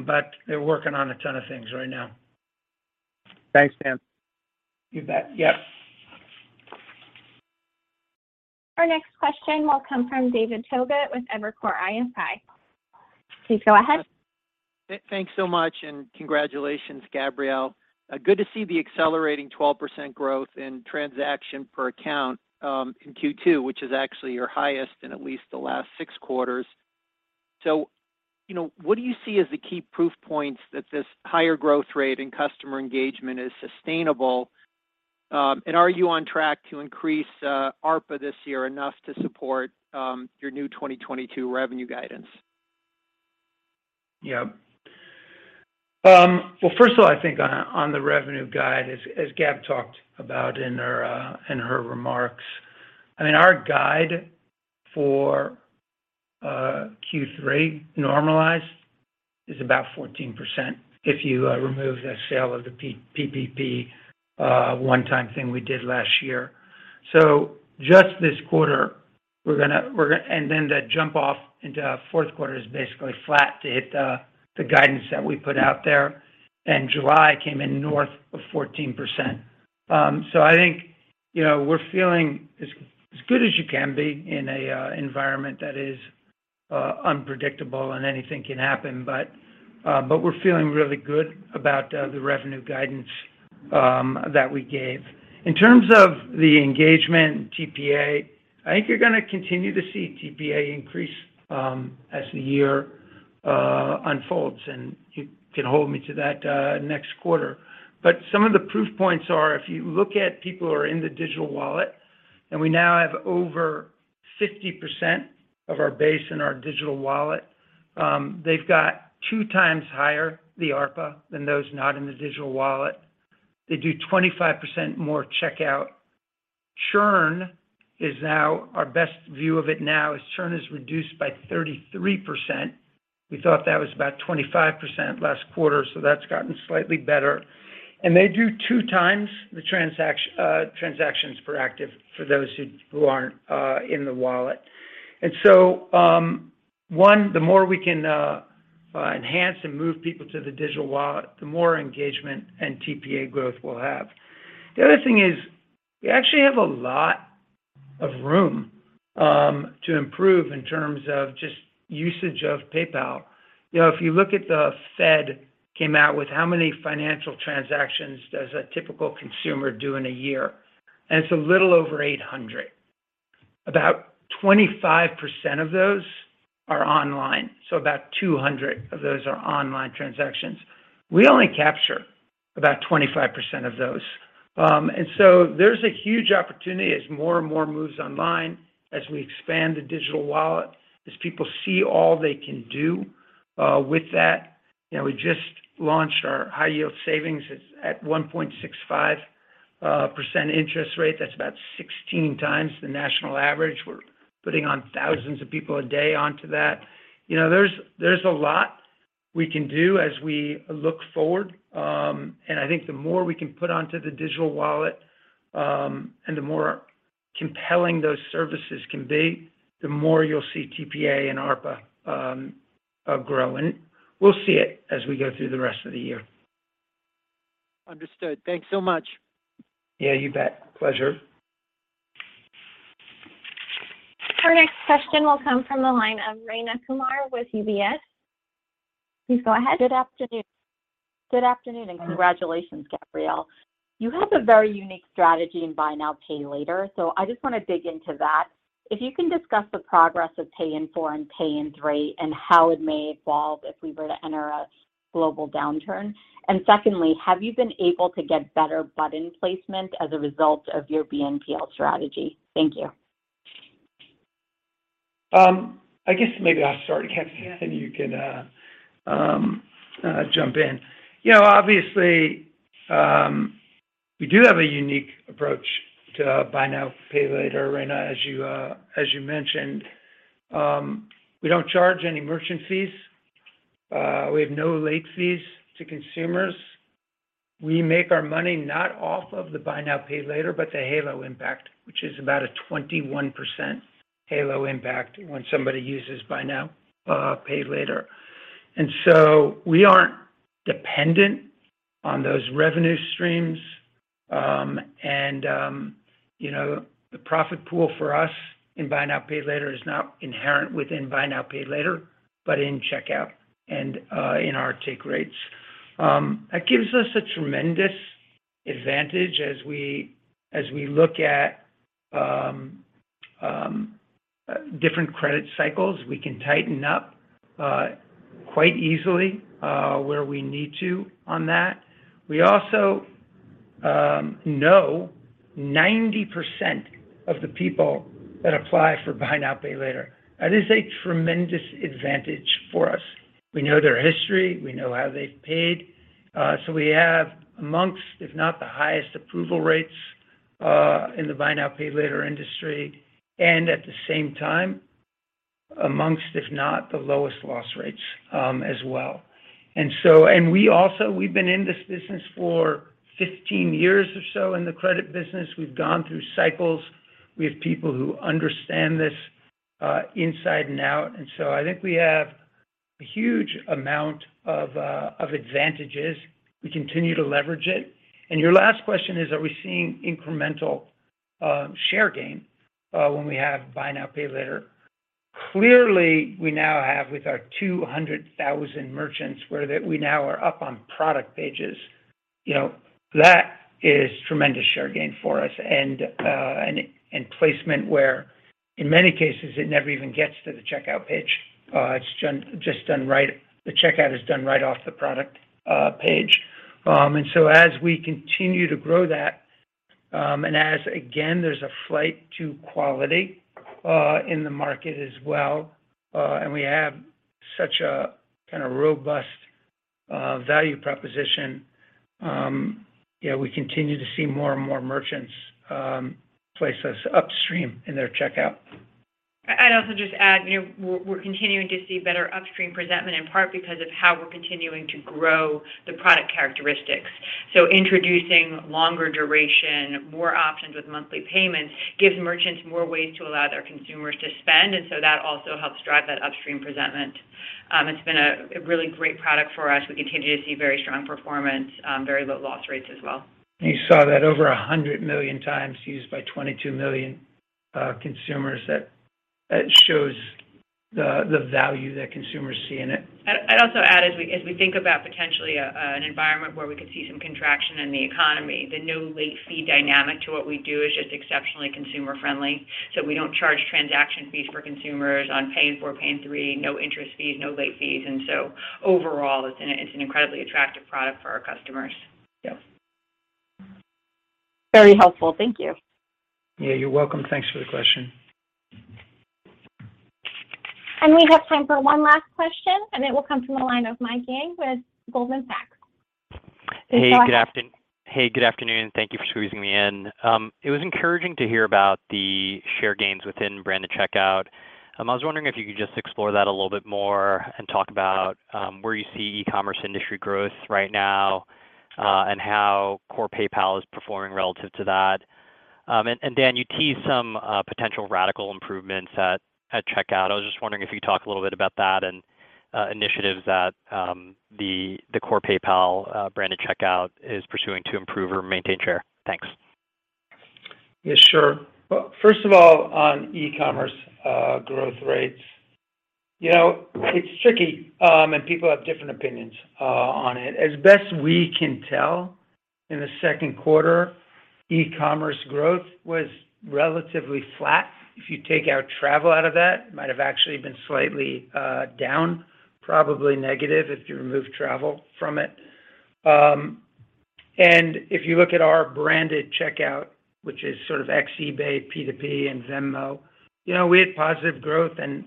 C: but they're working on a ton of things right now.
G: Thanks, Dan.
C: You bet. Yep.
A: Our next question will come from David Togut with Evercore ISI. Please go ahead.
H: Thanks so much, and congratulations, Gabrielle. Good to see the accelerating 12% growth in transaction per account in Q2, which is actually your highest in at least the last six quarters. You know, what do you see as the key proof points that this higher growth rate in customer engagement is sustainable? Are you on track to increase ARPA this year enough to support your new 2022 revenue guidance?
C: Yeah. Well, first of all, I think on the revenue guide, as Gab talked about in her remarks. I mean, our guide for Q3 normalized is about 14% if you remove the sale of the PPP one-time thing we did last year. Just this quarter, we're gonna and then the jump off into fourth quarter is basically flat to hit the guidance that we put out there. July came in north of 14%. I think, you know, we're feeling as good as you can be in an environment that is unpredictable and anything can happen. We're feeling really good about the revenue guidance that we gave. In terms of the engagement TPA, I think you're gonna continue to see TPA increase as the year unfolds, and you can hold me to that next quarter. Some of the proof points are if you look at people who are in the digital wallet, and we now have over 50% of our base in our digital wallet. They've got 2x higher the ARPA than those not in the digital wallet. They do 25% more checkout. Churn is now our best view of it now is, churn is reduced by 33%. We thought that was about 25% last quarter, so that's gotten slightly better. They do 2x the transactions per active for those who aren't in the wallet. The more we can enhance and move people to the digital wallet, the more engagement and TPA growth we'll have. The other thing is we actually have a lot of room to improve in terms of just usage of PayPal. You know, if you look at the Fed came out with how many financial transactions does a typical consumer do in a year, and it's a little over 800. About 25% of those are online, so about 200 of those are online transactions. We only capture about 25% of those. There's a huge opportunity as more and more moves online as we expand the digital wallet, as people see all they can do with that. You know, we just launched our high-yield savings. It's at 1.65% interest rate. That's about 16x the national average. We're putting on thousands of people a day onto that. You know, there's a lot we can do as we look forward. I think the more we can put onto the digital wallet, and the more compelling those services can be, the more you'll see TPA and ARPA grow. We'll see it as we go through the rest of the year.
H: Understood. Thanks so much.
C: Yeah, you bet. Pleasure.
A: Our next question will come from the line of Rayna Kumar with UBS. Please go ahead.
I: Good afternoon. Good afternoon, and congratulations, Gabrielle. You have a very unique strategy in Buy Now Pay Later. I just want to dig into that. If you can discuss the progress of Pay in 4 and Pay in 3, and how it may evolve if we were to enter a global downturn. Secondly, have you been able to get better button placement as a result of your BNPL strategy? Thank you.
C: I guess maybe I'll start, Gab, and you can jump in. You know, obviously, we do have a unique approach to Buy Now Pay Later, Rayna, as you mentioned. We don't charge any merchant fees. We have no late fees to consumers. We make our money not off of the Buy Now Pay Later, but the halo impact, which is about a 21% halo impact when somebody uses Buy Now Pay Later. We aren't dependent on those revenue streams. You know, the profit pool for us in buy now, pay later is not inherent within buy now, pay later, but in checkout and in our take rates. That gives us a tremendous advantage as we look at different credit cycles. We can tighten up quite easily where we need to on that. We also know 90% of the people that apply for buy now, pay later. That is a tremendous advantage for us. We know their history, we know how they've paid. We have amongst, if not the highest approval rates, in the buy now, pay later industry. At the same time, amongst, if not the lowest loss rates, as well. We also have been in this business for 15 years or so in the credit business. We've gone through cycles. We have people who understand this inside and out. I think we have a huge amount of advantages. We continue to leverage it. Your last question is, are we seeing incremental share gain when we have Buy Now Pay Later. Clearly, we now have with our 200,000 merchants where that we now are up on product pages, you know, that is tremendous share gain for us. Placement where in many cases it never even gets to the checkout page. It's just done right. The Checkout is done right off the product page. As we continue to grow that, and as again, there's a flight to quality in the market as well, and we have such a kinda robust value proposition, yeah, we continue to see more and more merchants place us upstream in their checkout.
B: I'd also just add, you know, we're continuing to see better upstream presentment in part because of how we're continuing to grow the product characteristics. Introducing longer duration, more options with monthly payments gives merchants more ways to allow their consumers to spend. That also helps drive that upstream presentment. It's been a really great product for us. We continue to see very strong performance, very low loss rates as well.
C: You saw that over 100 million times used by 22 million consumers. That shows the value that consumers see in it.
B: I'd also add, as we think about potentially an environment where we could see some contraction in the economy, the no late fee dynamic to what we do is just exceptionally consumer-friendly. We don't charge transaction fees for consumers on Pay in 4, Pay in 3, no interest fees, no late fees. Overall, it's an incredibly attractive product for our customers.
C: Yeah.
I: Very helpful. Thank you.
C: Yeah, you're welcome. Thanks for the question.
A: We have time for one last question, and it will come from the line of Mike Ng with Goldman Sachs. Please go ahead.
J: Hey, good afternoon. Thank you for squeezing me in. It was encouraging to hear about the share gains within branded checkout. I was wondering if you could just explore that a little bit more and talk about where you see e-commerce industry growth right now and how core PayPal is performing relative to that. Dan, you teased some potential radical improvements at Checkout. I was just wondering if you could talk a little bit about that and initiatives that the core PayPal branded checkout is pursuing to improve or maintain share. Thanks.
C: Yeah, sure. Well, first of all, on e-commerce growth rates. You know, it's tricky, and people have different opinions on it. As best we can tell, in the second quarter, e-commerce growth was relatively flat. If you take travel out of that, it might have actually been slightly down, probably negative if you remove travel from it. If you look at our branded checkout, which is sort of ex-eBay, P2P, and Venmo, you know, we had positive growth, and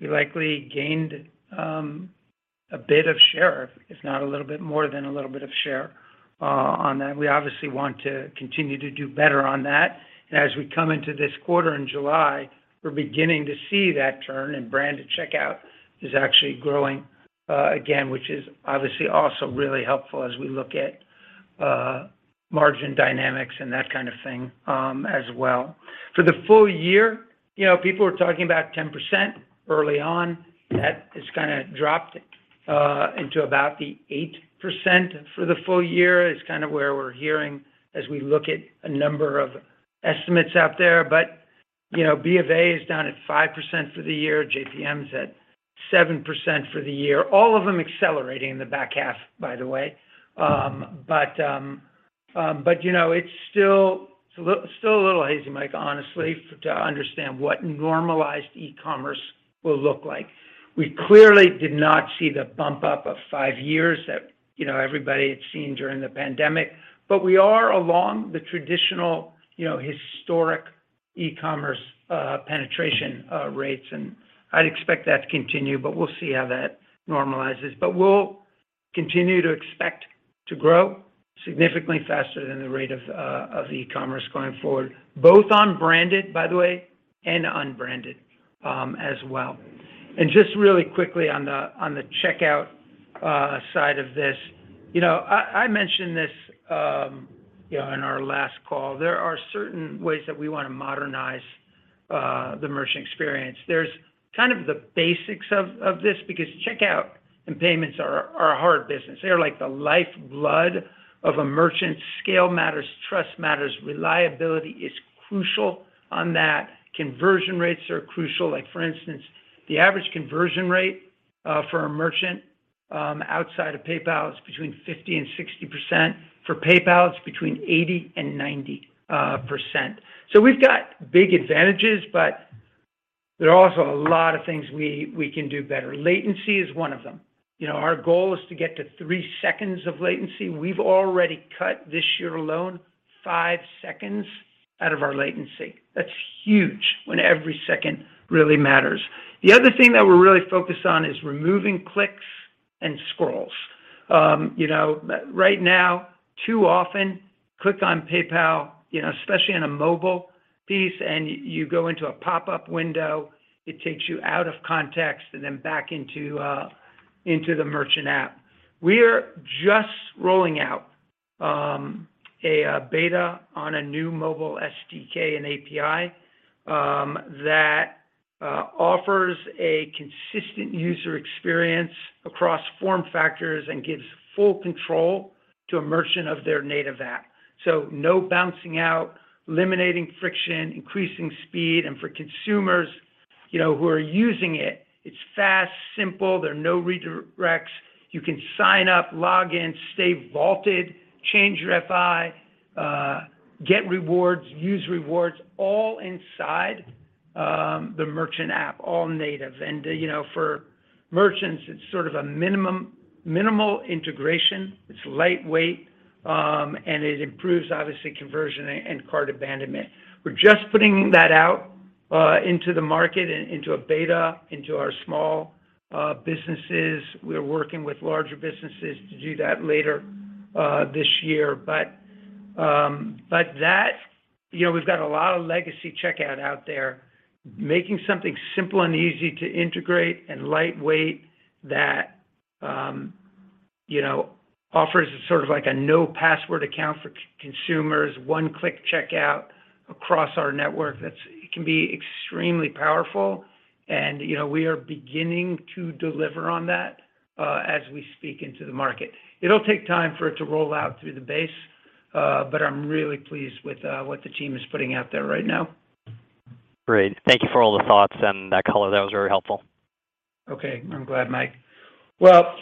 C: we likely gained a bit of share, if not a little bit more than a little bit of share on that. We obviously want to continue to do better on that. As we come into this quarter in July, we're beginning to see that turn, and branded checkout is actually growing again, which is obviously also really helpful as we look at margin dynamics and that kind of thing, as well. For the full year, you know, people are talking about 10% early on. That has kinda dropped into about the 8% for the full year. It's kind of where we're hearing as we look at a number of estimates out there. You know, BofA is down at 5% for the year. JPM is at 7% for the year. All of them accelerating in the back half, by the way. You know, it's still a little hazy, Mike, honestly, to understand what normalized e-commerce will look like. We clearly did not see the bump up of five years that, you know, everybody had seen during the pandemic. We are along the traditional, you know, historic e-commerce penetration rates, and I'd expect that to continue, but we'll see how that normalizes. We'll continue to expect to grow significantly faster than the rate of e-commerce going forward, both on branded, by the way, and unbranded, as well. Just really quickly on the checkout side of this, you know, I mentioned this, you know, in our last call. There are certain ways that we wanna modernize the merchant experience. There's kind of the basics of this because checkout and payments are a hard business. They are like the lifeblood of a merchant. Scale matters. Trust matters. Reliability is crucial on that. Conversion rates are crucial. Like, for instance, the average conversion rate for a merchant outside of PayPal is between 50% and 60%. For PayPal, it's between 80% and 90%. We've got big advantages, but there are also a lot of things we can do better. Latency is one of them. You know, our goal is to get to three seconds of latency. We've already cut this year alone five seconds out of our latency. That's huge when every second really matters. The other thing that we're really focused on is removing clicks and scrolls. You know, but right now, too often click on PayPal, you know, especially on a mobile experience, and you go into a pop-up window, it takes you out of context, and then back into the merchant app. We are just rolling out a beta on a new mobile SDK and API that offers a consistent user experience across form factors and gives full control to a merchant of their native app. So no bouncing out, eliminating friction, increasing speed. For consumers, you know, who are using it's fast, simple, there are no redirects. You can sign up, log in, stay vaulted, change your FI, get rewards, use rewards, all inside the merchant app, all native. For merchants, you know, it's sort of a minimal integration. It's lightweight and it improves obviously conversion and cart abandonment. We're just putting that out into the market and into a beta, into our small businesses. We're working with larger businesses to do that later this year. But that. You know, we've got a lot of legacy checkout out there. Making something simple and easy to integrate and lightweight that, you know, offers sort of like a no password account for consumers, one-click checkout across our network, that's it can be extremely powerful. You know, we are beginning to deliver on that, as we speak into the market. It'll take time for it to roll out through the base, but I'm really pleased with what the team is putting out there right now.
J: Great. Thank you for all the thoughts and that color. That was very helpful.
C: Okay. I'm glad, Mike. Well,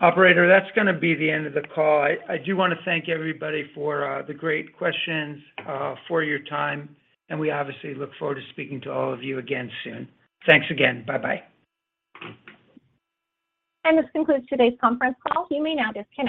C: operator, that's gonna be the end of the call. I do wanna thank everybody for the great questions, for your time, and we obviously look forward to speaking to all of you again soon. Thanks again. Bye-bye.
A: This concludes today's conference call. You may now disconnect.